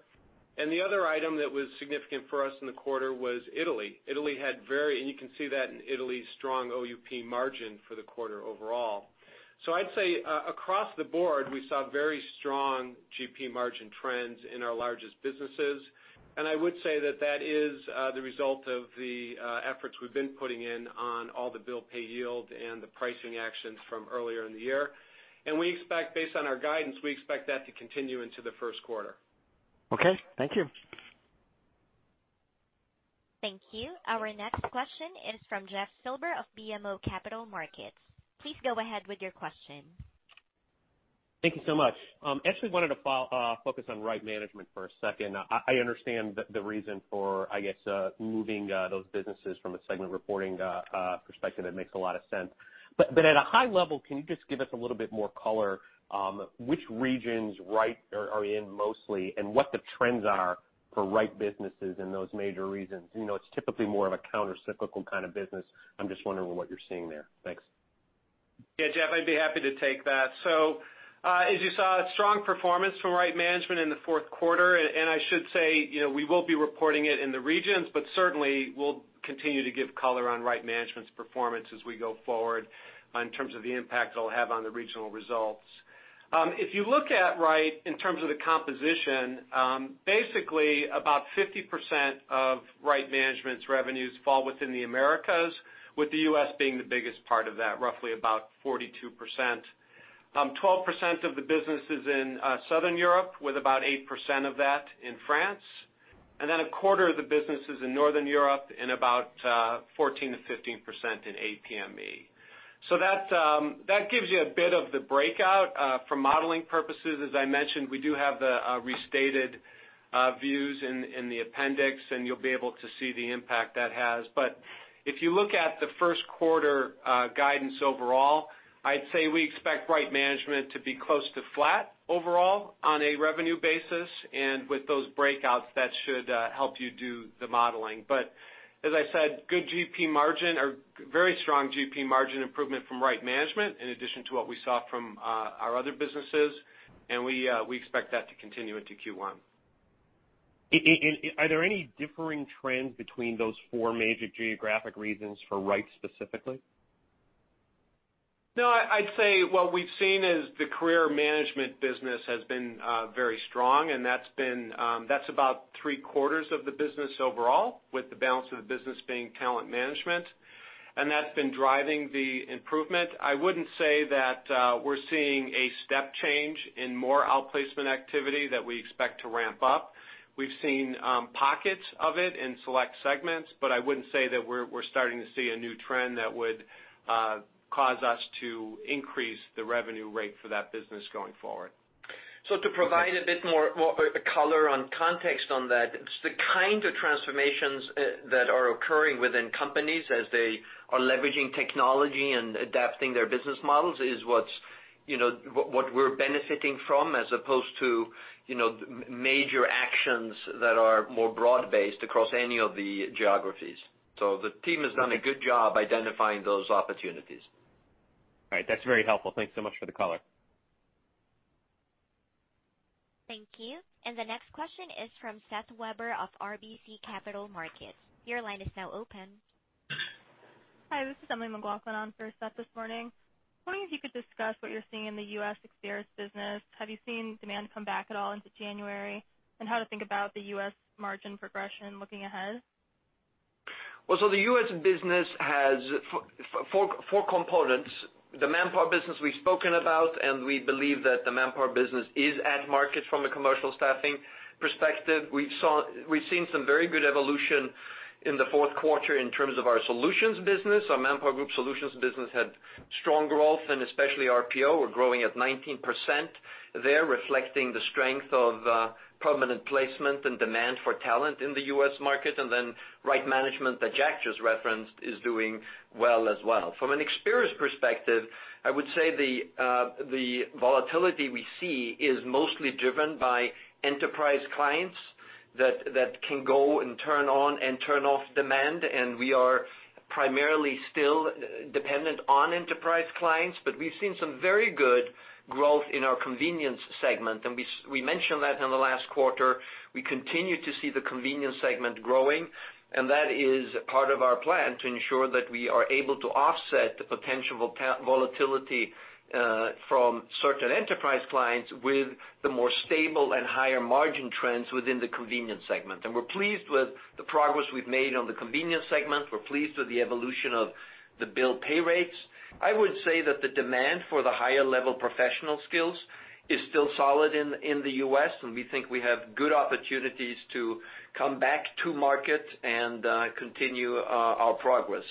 The other item that was significant for us in the quarter was Italy. You can see that in Italy's strong OUP margin for the quarter overall. I'd say across the board, we saw very strong GP margin trends in our largest businesses. I would say that that is the result of the efforts we've been putting in on all the bill pay yield and the pricing actions from earlier in the year. Based on our guidance, we expect that to continue into the first quarter. Okay. Thank you. Thank you. Our next question is from Jeff Silber of BMO Capital Markets. Please go ahead with your question. Thank you so much. Actually wanted to focus on Right Management for a second. I understand the reason for, I guess, moving those businesses from a segment reporting perspective. It makes a lot of sense. But at a high level, can you just give us a little bit more color which regions Right are in mostly and what the trends are for Right businesses in those major regions? It's typically more of a countercyclical kind of business. I'm just wondering what you're seeing there. Thanks. Yeah, Jeff, I'd be happy to take that. As you saw, strong performance from Right Management in the fourth quarter, and I should say, we will be reporting it in the regions, but certainly, we'll continue to give color on Right Management's performance as we go forward in terms of the impact it'll have on the regional results. If you look at Right in terms of the composition, basically about 50% of Right Management's revenues fall within the Americas, with the U.S. being the biggest part of that, roughly about 42%. 12% of the business is in Southern Europe, with about 8% of that in France. A quarter of the business is in Northern Europe and about 14%-15% in APME. That gives you a bit of the breakout. For modeling purposes, as I mentioned, we do have the restated views in the appendix, and you'll be able to see the impact that has. If you look at the first quarter guidance overall, I'd say we expect Right Management to be close to flat overall on a revenue basis, and with those breakouts, that should help you do the modeling. As I said, very strong GP margin improvement from Right Management in addition to what we saw from our other businesses, and we expect that to continue into Q1. Are there any differing trends between those four major geographic regions for Right specifically? No. I'd say what we've seen is the career management business has been very strong, and that's about three-quarters of the business overall, with the balance of the business being talent management. That's been driving the improvement. I wouldn't say that we're seeing a step change in more outplacement activity that we expect to ramp up. We've seen pockets of it in select segments, but I wouldn't say that we're starting to see a new trend that would cause us to increase the revenue rate for that business going forward. To provide a bit more color on context on that, it's the kind of transformations that are occurring within companies as they are leveraging technology and adapting their business models is what we're benefiting from, as opposed to major actions that are more broad-based across any of the geographies. The team has done a good job identifying those opportunities. All right. That's very helpful. Thanks so much for the color. Thank you. The next question is from Seth Weber of RBC Capital Markets. Your line is now open. Hi, this is Emily McLaughlin on for Seth this morning. Wondering if you could discuss what you're seeing in the U.S. Experis business. Have you seen demand come back at all into January? How to think about the U.S. margin progression looking ahead? The U.S. business has four components. The Manpower business we've spoken about, and we believe that the Manpower business is at market from a commercial staffing perspective. We've seen some very good evolution in the fourth quarter in terms of our solutions business. Our ManpowerGroup Solutions business had strong growth, and especially RPO. We're growing at 19% there, reflecting the strength of permanent placement and demand for talent in the U.S. market, and then Right Management that Jack just referenced is doing well as well. From an Experis perspective, I would say the volatility we see is mostly driven by enterprise clients that can go and turn on and turn off demand, and we are primarily still dependent on enterprise clients, but we've seen some very good growth in our convenience segment. We mentioned that in the last quarter. We continue to see the convenience segment growing, that is part of our plan to ensure that we are able to offset the potential volatility from certain enterprise clients with the more stable and higher-margin trends within the convenience segment. We're pleased with the progress we've made on the convenience segment. We're pleased with the evolution of the bill pay rates. I would say that the demand for the higher-level professional skills is still solid in the U.S., and we think we have good opportunities to come back to market and continue our progress.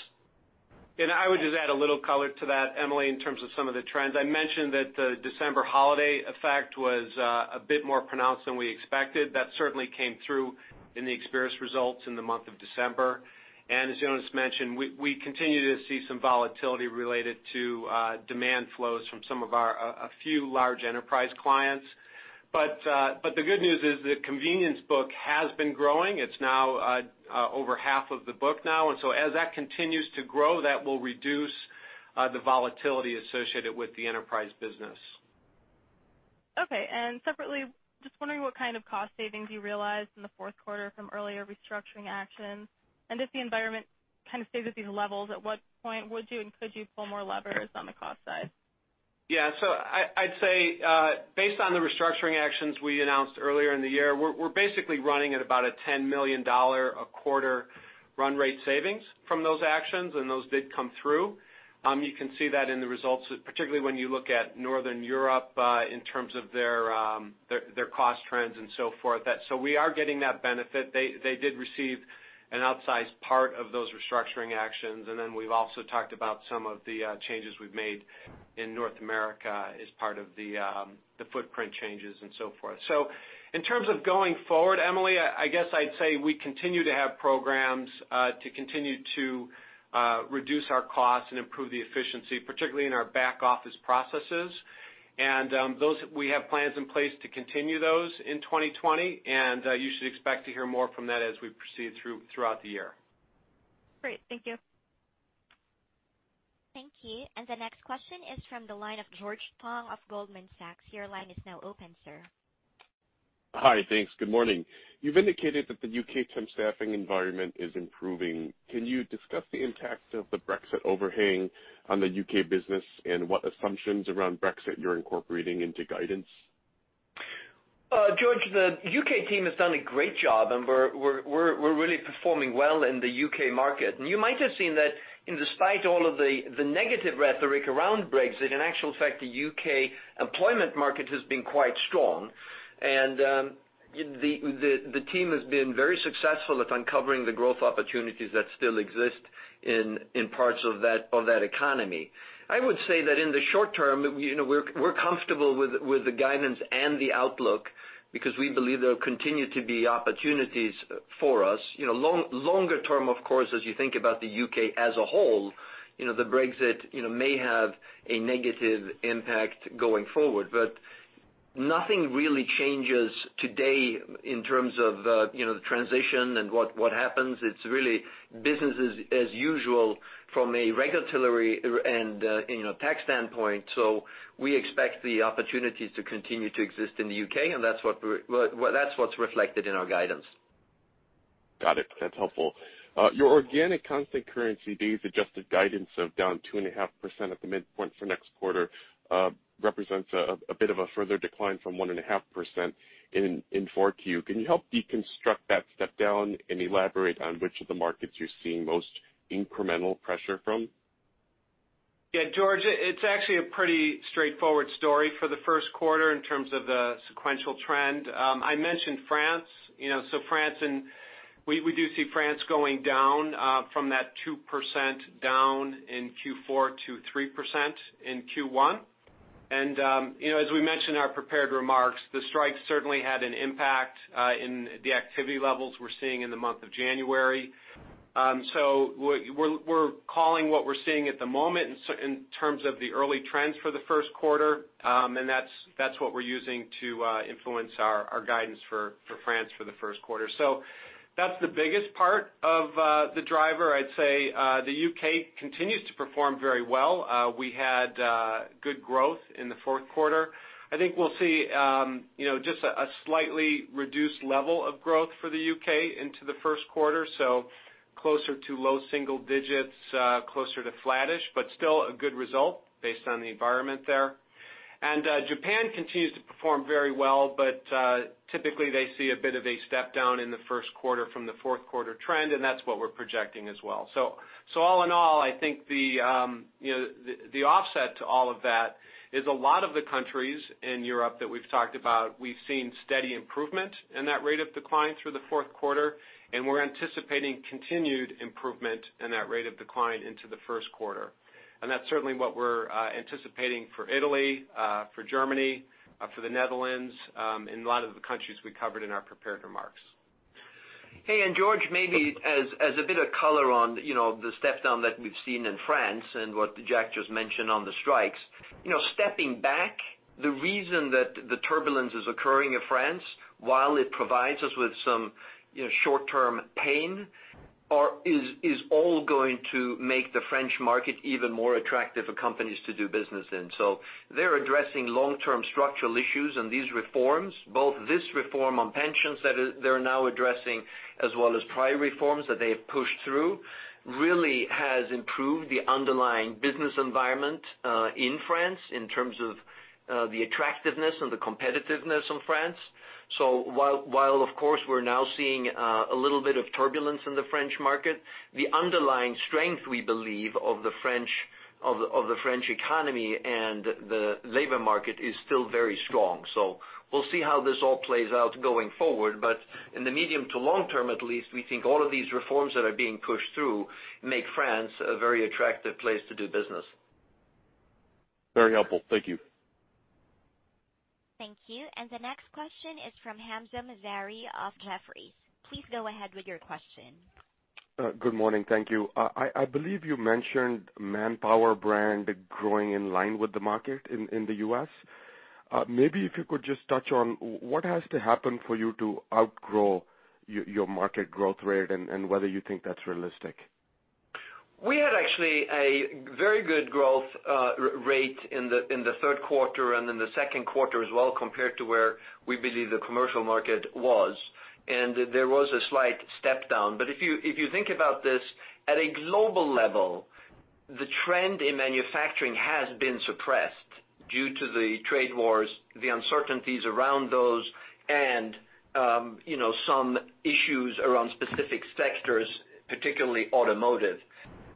I would just add a little color to that, Emily, in terms of some of the trends. I mentioned that the December holiday effect was a bit more pronounced than we expected. That certainly came through in the Experis results in the month of December. As Jonas mentioned, we continue to see some volatility related to demand flows from a few large enterprise clients. The good news is the convenience book has been growing. It's now over half of the book now, and so as that continues to grow, that will reduce the volatility associated with the enterprise business. Okay. Separately, just wondering what kind of cost savings you realized in the fourth quarter from earlier restructuring actions. If the environment kind of stays at these levels, at what point would you and could you pull more levers on the cost side? Yeah. I'd say based on the restructuring actions we announced earlier in the year, we're basically running at about a $10 million a quarter run rate savings from those actions, and those did come through. You can see that in the results, particularly when you look at Northern Europe in terms of their cost trends and so forth. We are getting that benefit. They did receive an outsized part of those restructuring actions, and then we've also talked about some of the changes we've made in North America as part of the footprint changes and so forth. In terms of going forward, Emily, I guess I'd say we continue to have programs to continue to reduce our costs and improve the efficiency, particularly in our back-office processes. We have plans in place to continue those in 2020, and you should expect to hear more from that as we proceed throughout the year. Great. Thank you. Thank you. The next question is from the line of George Tong of Goldman Sachs. Your line is now open, sir. Hi. Thanks. Good morning. You've indicated that the U.K. temp staffing environment is improving. Can you discuss the impact of the Brexit overhang on the U.K. business and what assumptions around Brexit you're incorporating into guidance? George, the U.K. team has done a great job and we're really performing well in the U.K. market. You might have seen that in despite all of the negative rhetoric around Brexit, in actual fact, the U.K. employment market has been quite strong. The team has been very successful at uncovering the growth opportunities that still exist in parts of that economy. I would say that in the short term, we're comfortable with the guidance and the outlook because we believe there will continue to be opportunities for us. Longer term, of course, as you think about the U.K. as a whole, Brexit may have a negative impact going forward. Nothing really changes today in terms of the transition and what happens. It's really business as usual from a regulatory and tax standpoint. We expect the opportunities to continue to exist in the U.K., and that's what's reflected in our guidance. Got it. That's helpful. Your organic constant currency days adjusted guidance of down 2.5% at the midpoint for next quarter represents a bit of a further decline from 1.5% in 4Q. Can you help deconstruct that step down and elaborate on which of the markets you're seeing most incremental pressure from? Yeah, George, it's actually a pretty straightforward story for the first quarter in terms of the sequential trend. I mentioned France. We do see France going down from that 2% down in Q4 to 3% in Q1. As we mentioned in our prepared remarks, the strikes certainly had an impact in the activity levels we're seeing in the month of January. We're calling what we're seeing at the moment in terms of the early trends for the first quarter, and that's what we're using to influence our guidance for France for the first quarter. That's the biggest part of the driver. I'd say the U.K. continues to perform very well. We had good growth in the fourth quarter. I think we'll see just a slightly reduced level of growth for the U.K. into the first quarter, so closer to low single digits, closer to flattish, but still a good result based on the environment there. Japan continues to perform very well, but typically they see a bit of a step down in the first quarter from the fourth quarter trend, and that's what we're projecting as well. All in all, I think the offset to all of that is a lot of the countries in Europe that we've talked about, we've seen steady improvement in that rate of decline through the fourth quarter, and we're anticipating continued improvement in that rate of decline into the first quarter. That's certainly what we're anticipating for Italy, for Germany, for the Netherlands, in a lot of the countries we covered in our prepared remarks. Hey, George, maybe as a bit of color on the step down that we've seen in France and what Jack just mentioned on the strikes. Stepping back, the reason that the turbulence is occurring in France, while it provides us with some short-term pain, is all going to make the French market even more attractive for companies to do business in. They're addressing long-term structural issues in these reforms, both this reform on pensions that they're now addressing, as well as prior reforms that they have pushed through, really has improved the underlying business environment in France in terms of the attractiveness and the competitiveness of France. While of course, we're now seeing a little bit of turbulence in the French market, the underlying strength, we believe, of the French economy and the labor market is still very strong. We'll see how this all plays out going forward. In the medium to long term, at least, we think all of these reforms that are being pushed through make France a very attractive place to do business. Very helpful. Thank you. Thank you. The next question is from Hamzah Mazari of Jefferies. Please go ahead with your question. Good morning. Thank you. I believe you mentioned Manpower brand growing in line with the market in the U.S. Maybe if you could just touch on what has to happen for you to outgrow your market growth rate and whether you think that's realistic. We had actually a very good growth rate in the third quarter and in the second quarter as well, compared to where we believe the commercial market was. There was a slight step down. If you think about this at a global level, the trend in manufacturing has been suppressed due to the trade wars, the uncertainties around those, and some issues around specific sectors, particularly automotive.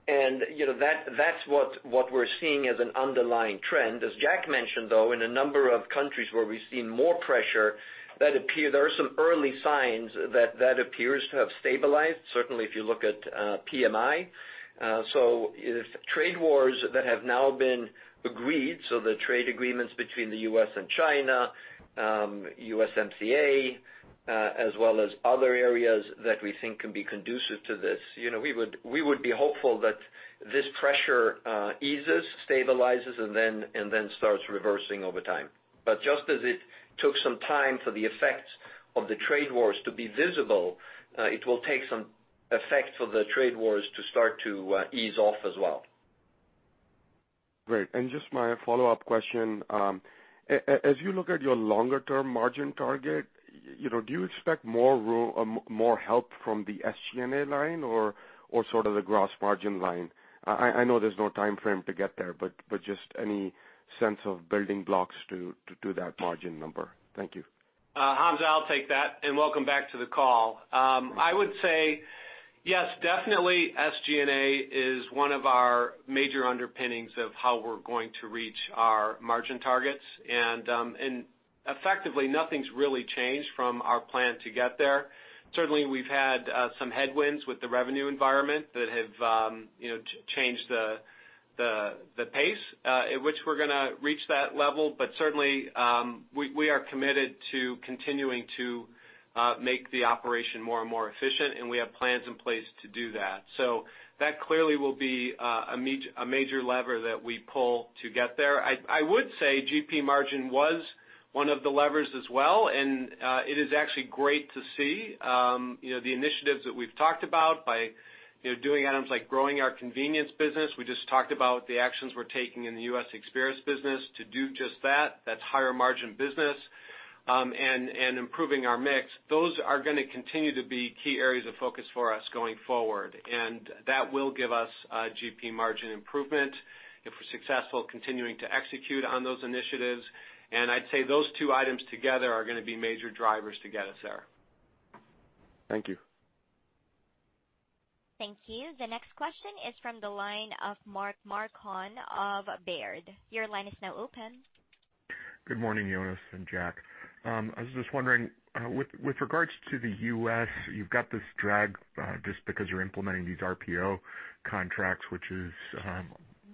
That's what we're seeing as an underlying trend. As Jack mentioned, though, in a number of countries where we've seen more pressure, there are some early signs that that appears to have stabilized, certainly if you look at PMI. Trade wars that have now been agreed, so the trade agreements between the U.S. and China, USMCA, as well as other areas that we think can be conducive to this. We would be hopeful that this pressure eases, stabilizes, and then starts reversing over time. Just as it took some time for the effects of the trade wars to be visible, it will take some effect for the trade wars to start to ease off as well. Great. Just my follow-up question. As you look at your longer-term margin target, do you expect more help from the SG&A line or sort of the gross margin line? I know there's no time frame to get there, but just any sense of building blocks to do that margin number. Thank you. Hamzah, I'll take that, and welcome back to the call. I would say Yes, definitely SG&A is one of our major underpinnings of how we're going to reach our margin targets. Effectively, nothing's really changed from our plan to get there. Certainly, we've had some headwinds with the revenue environment that have changed the pace at which we're going to reach that level. Certainly, we are committed to continuing to make the operation more and more efficient, and we have plans in place to do that. That clearly will be a major lever that we pull to get there. I would say GP margin was one of the levers as well, and it is actually great to see the initiatives that we've talked about by doing items like growing our convenience business. We just talked about the actions we're taking in the U.S. experience business to do just that. That's higher margin business. Improving our mix. Those are going to continue to be key areas of focus for us going forward, and that will give us GP margin improvement if we're successful continuing to execute on those initiatives. I'd say those two items together are going to be major drivers to get us there. Thank you. Thank you. The next question is from the line of Mark Marcon of Baird. Your line is now open. Good morning, Jonas and Jack. I was just wondering, with regards to the U.S., you've got this drag just because you're implementing these RPO contracts, which is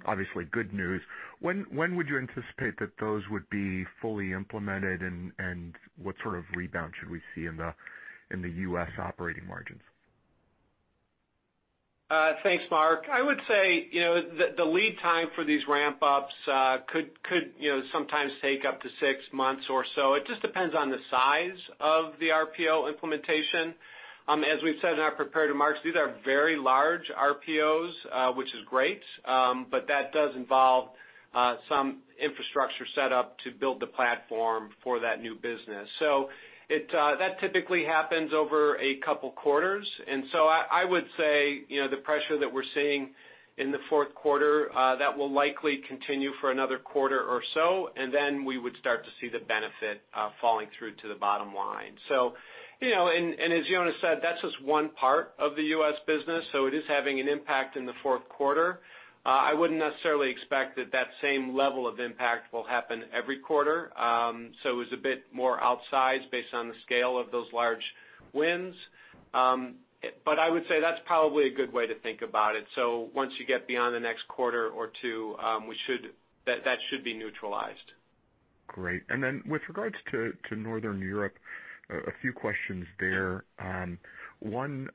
obviously good news. When would you anticipate that those would be fully implemented, and what sort of rebound should we see in the U.S. operating margins? Thanks, Mark. I would say, the lead time for these ramp-ups could sometimes take up to six months or so. It just depends on the size of the RPO implementation. As we've said in our prepared remarks, these are very large RPOs, which is great. That does involve some infrastructure set up to build the platform for that new business. That typically happens over a couple of quarters. I would say, the pressure that we're seeing in the fourth quarter, that will likely continue for another quarter or so, and then we would start to see the benefit falling through to the bottom line. As Jonas said, that's just one part of the U.S. business, so it is having an impact in the fourth quarter. I wouldn't necessarily expect that same level of impact will happen every quarter. It's a bit more outsized based on the scale of those large wins. I would say that's probably a good way to think about it. Once you get beyond the next quarter or two, that should be neutralized. Great. With regards to Northern Europe, a few questions there. One,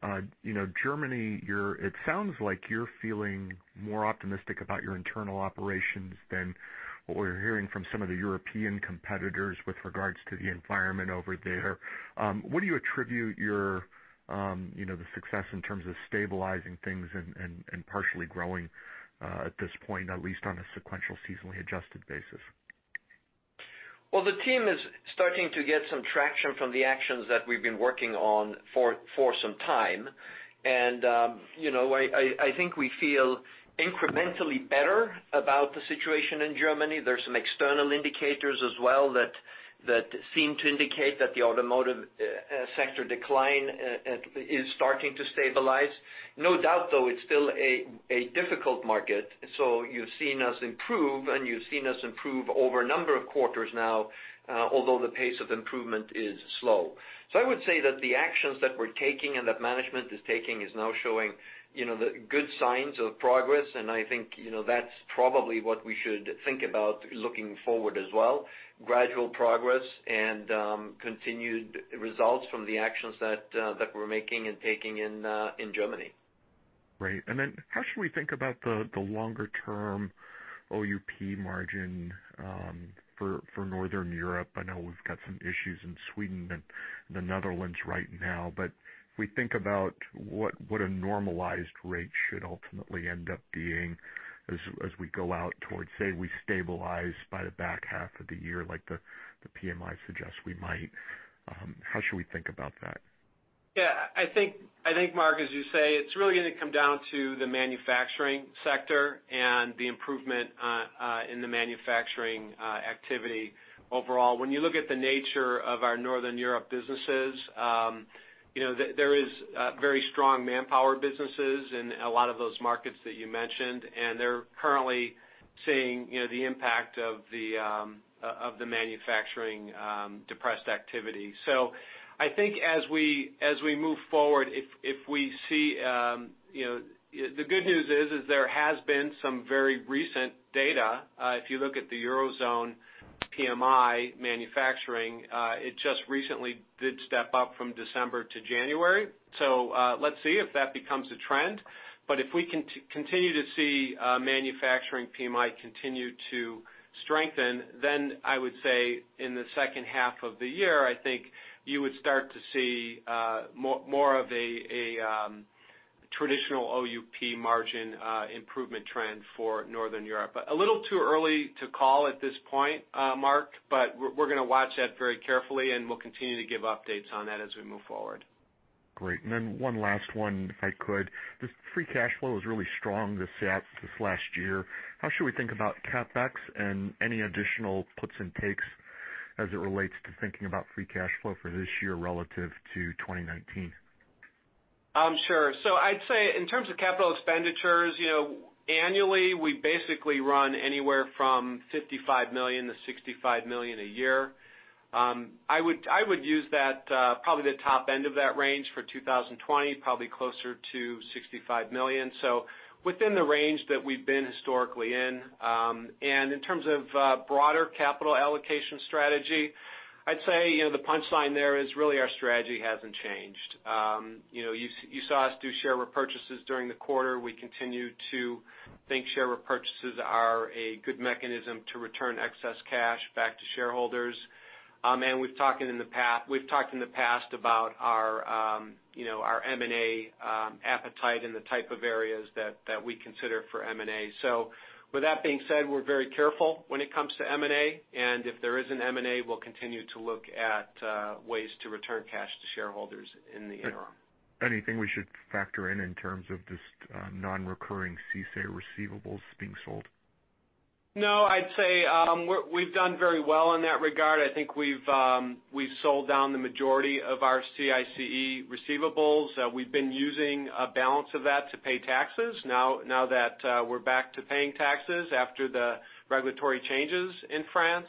Germany, it sounds like you're feeling more optimistic about your internal operations than what we're hearing from some of the European competitors with regards to the environment over there. What do you attribute the success in terms of stabilizing things and partially growing at this point, at least on a sequential seasonally adjusted basis? Well, the team is starting to get some traction from the actions that we've been working on for some time. I think we feel incrementally better about the situation in Germany. There's some external indicators as well that seem to indicate that the automotive sector decline is starting to stabilize. No doubt, though, it's still a difficult market. You've seen us improve, and you've seen us improve over a number of quarters now, although the pace of improvement is slow. I would say that the actions that we're taking and that management is taking is now showing the good signs of progress, and I think that's probably what we should think about looking forward as well. Gradual progress and continued results from the actions that we're making and taking in Germany. Great. How should we think about the longer-term OUP margin for Northern Europe? I know we've got some issues in Sweden and the Netherlands right now, but if we think about what a normalized rate should ultimately end up being as we go out towards, say, we stabilize by the back half of the year like the PMI suggests we might. How should we think about that? I think, Mark, as you say, it's really going to come down to the manufacturing sector and the improvement in the manufacturing activity overall. When you look at the nature of our Northern Europe businesses, there is very strong Manpower businesses in a lot of those markets that you mentioned, and they're currently seeing the impact of the manufacturing-depressed activity. I think as we move forward, the good news is there has been some very recent data. If you look at the Eurozone PMI manufacturing, it just recently did step up from December to January. Let's see if that becomes a trend. If we continue to see manufacturing PMI continue to strengthen, then I would say in the second half of the year, I think you would start to see more of a traditional OUP margin improvement trend for Northern Europe. A little too early to call at this point, Mark, but we're going to watch that very carefully, and we'll continue to give updates on that as we move forward. Great. One last one, if I could. The free cash flow is really strong this last year. How should we think about CapEx and any additional puts and takes as it relates to thinking about free cash flow for this year relative to 2019? Sure. I'd say in terms of capital expenditures, annually we basically run anywhere from $55 million-$65 million a year. I would use probably the top end of that range for 2020, probably closer to $65 million, so within the range that we've been historically in. In terms of broader capital allocation strategy, I'd say the punchline there is really our strategy hasn't changed. You saw us do share repurchases during the quarter. We continue to think share repurchases are a good mechanism to return excess cash back to shareholders. We've talked in the past about our M&A appetite and the type of areas that we consider for M&A. With that being said, we're very careful when it comes to M&A. If there isn't M&A, we'll continue to look at ways to return cash to shareholders in the interim. Anything we should factor in in terms of this non-recurring CICE receivables being sold? No. I'd say we've done very well in that regard. I think we've sold down the majority of our CICE receivables. We've been using a balance of that to pay taxes, now that we're back to paying taxes after the regulatory changes in France.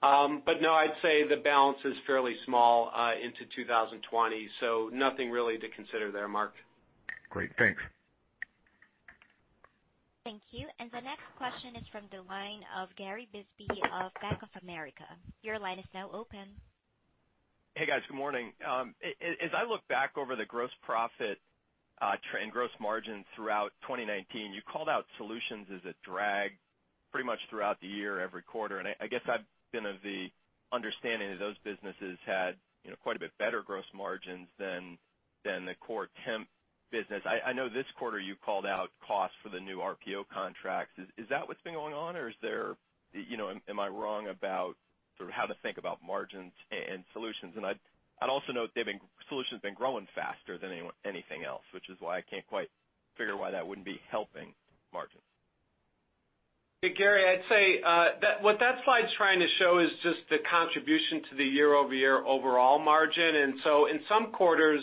No, I'd say the balance is fairly small into 2020, so nothing really to consider there, Mark. Great. Thanks. Thank you. The next question is from the line of Gary Bisbee of Bank of America. Your line is now open. Hey, guys. Good morning. As I look back over the gross profit and gross margin throughout 2019, you called out solutions as a drag pretty much throughout the year every quarter. I guess I've been of the understanding that those businesses had quite a bit better gross margins than the core temp business. I know this quarter you called out costs for the new RPO contracts. Is that what's been going on, or am I wrong about how to think about margins and solutions? I'd also note solutions have been growing faster than anything else, which is why I can't quite figure why that wouldn't be helping margins. Hey, Gary. I'd say what that slide's trying to show is just the contribution to the year-over-year overall margin. In some quarters,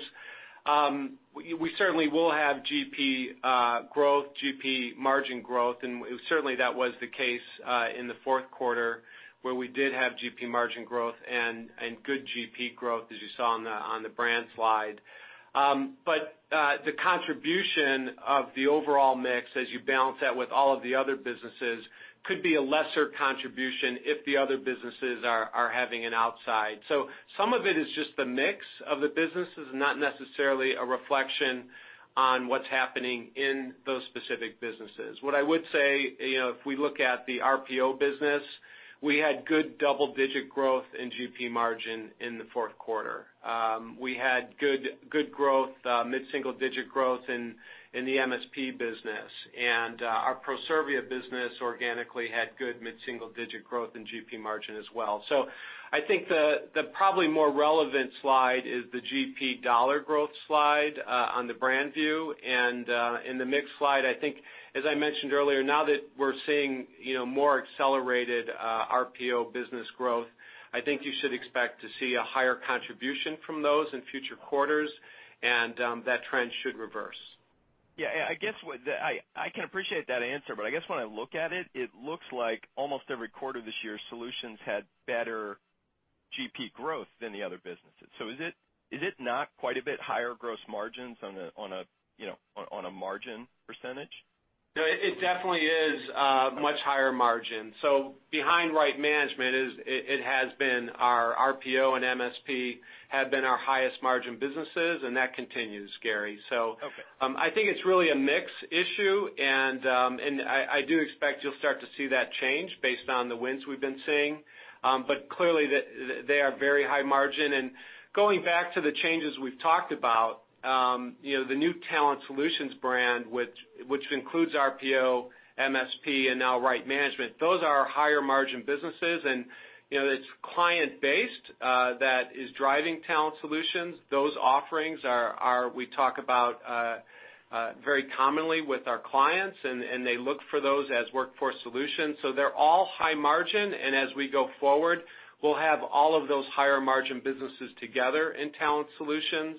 we certainly will have GP growth, GP margin growth, and certainly that was the case in the fourth quarter where we did have GP margin growth and good GP growth as you saw on the brand slide. The contribution of the overall mix as you balance that with all of the other businesses could be a lesser contribution if the other businesses are having an outsize. Some of it is just the mix of the businesses, not necessarily a reflection on what's happening in those specific businesses. What I would say, if we look at the RPO business, we had good double-digit growth in GP margin in the fourth quarter. We had good growth, mid-single digit growth in the MSP business. Our Proservia business organically had good mid-single digit growth in GP margin as well. I think the probably more relevant slide is the GP dollar growth slide on the brand view. In the mix slide, I think as I mentioned earlier, now that we're seeing more accelerated RPO business growth, I think you should expect to see a higher contribution from those in future quarters, and that trend should reverse. Yeah. I can appreciate that answer, but I guess when I look at it looks like almost every quarter this year, solutions had better GP growth than the other businesses. Is it not quite a bit higher gross margins on a margin percentage? It definitely is a much higher margin. Behind Right Management, our RPO and MSP have been our highest margin businesses, and that continues, Gary. Okay. I think it's really a mix issue, and I do expect you'll start to see that change based on the wins we've been seeing. Clearly they are very high margin. Going back to the changes we've talked about, the new Talent Solutions brand, which includes RPO, MSP, and now Right Management, those are our higher margin businesses, and it's client-based that is driving Talent Solutions. Those offerings we talk about very commonly with our clients, and they look for those as workforce solutions. They're all high margin, and as we go forward, we'll have all of those higher margin businesses together in Talent Solutions.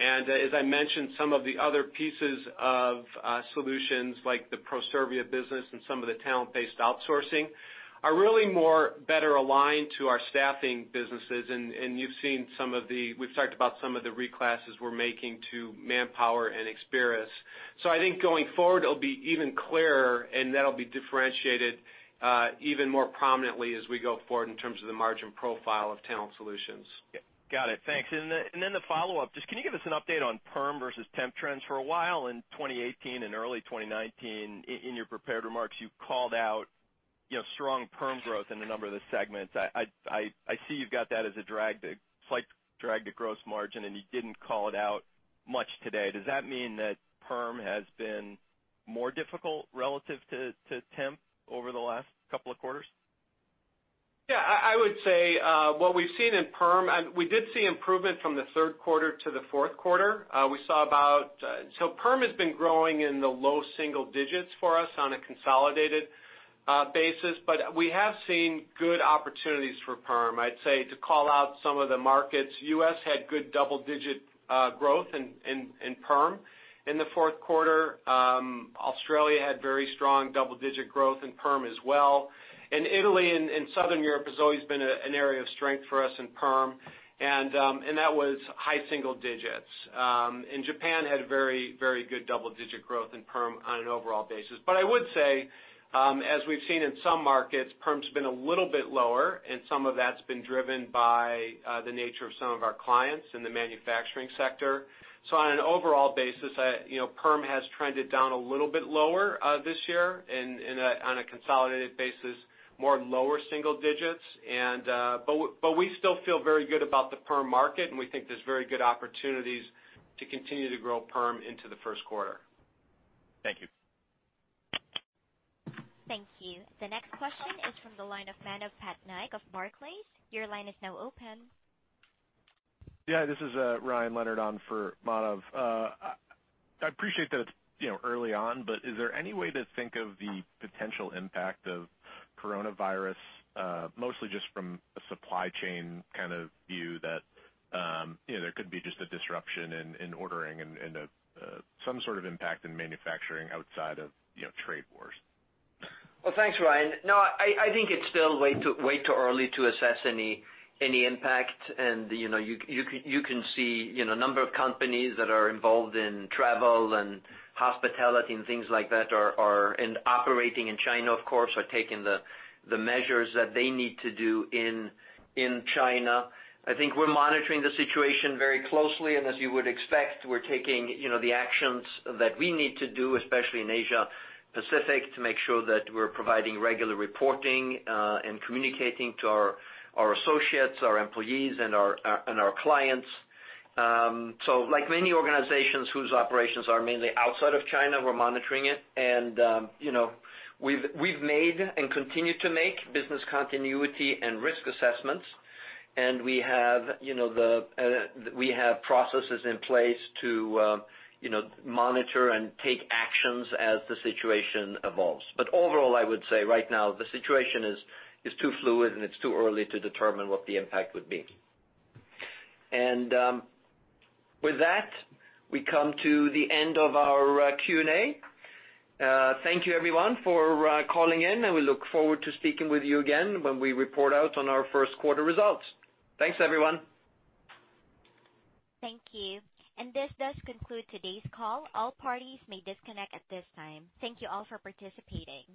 As I mentioned, some of the other pieces of solutions, like the Proservia business and some of the talent-based outsourcing, are really more better aligned to our staffing businesses. We've talked about some of the reclasses we're making to Manpower and Experis. I think going forward, it'll be even clearer, and that'll be differentiated even more prominently as we go forward in terms of the margin profile of Talent Solutions. Got it. Thanks. The follow-up, just can you give us an update on perm versus temp trends for a while in 2018 and early 2019? In your prepared remarks, you called out strong perm growth in a number of the segments. I see you've got that as a slight drag to gross margin, you didn't call it out much today. Does that mean that perm has been more difficult relative to temp over the last couple of quarters? Yeah, I would say what we've seen in perm, we did see improvement from the third quarter to the fourth quarter. Perm has been growing in the low single digits for us on a consolidated basis, but we have seen good opportunities for perm. I'd say to call out some of the markets, U.S. had good double-digit growth in perm in the fourth quarter. Australia had very strong double-digit growth in perm as well. Italy and Southern Europe has always been an area of strength for us in perm, and that was high single digits. Japan had very good double-digit growth in perm on an overall basis. I would say, as we've seen in some markets, perm's been a little bit lower, and some of that's been driven by the nature of some of our clients in the manufacturing sector. On an overall basis, perm has trended down a little bit lower this year on a consolidated basis, more lower single digits. We still feel very good about the perm market, and we think there's very good opportunities to continue to grow perm into the first quarter. Thank you. Thank you. The next question is from the line of Manav Patnaik of Barclays. Your line is now open. Yeah. This is Ryan Leonard on for Manav. I appreciate that it's early on, but is there any way to think of the potential impact of coronavirus, mostly just from a supply chain kind of view that there could be just a disruption in ordering and some sort of impact in manufacturing outside of trade wars? Well, thanks, Ryan. I think it's still way too early to assess any impact. You can see a number of companies that are involved in travel and hospitality and things like that and operating in China, of course, are taking the measures that they need to do in China. I think we're monitoring the situation very closely, and as you would expect, we're taking the actions that we need to do, especially in Asia Pacific, to make sure that we're providing regular reporting and communicating to our associates, our employees, and our clients. Like many organizations whose operations are mainly outside of China, we're monitoring it, and we've made and continue to make business continuity and risk assessments. We have processes in place to monitor and take actions as the situation evolves. Overall, I would say right now, the situation is too fluid, and it's too early to determine what the impact would be. And with that, we come to the end of our Q&A. Thank you everyone for calling in, and we look forward to speaking with you again when we report out on our first quarter results. Thanks, everyone. Thank you. This does conclude today's call. All parties may disconnect at this time. Thank you all for participating.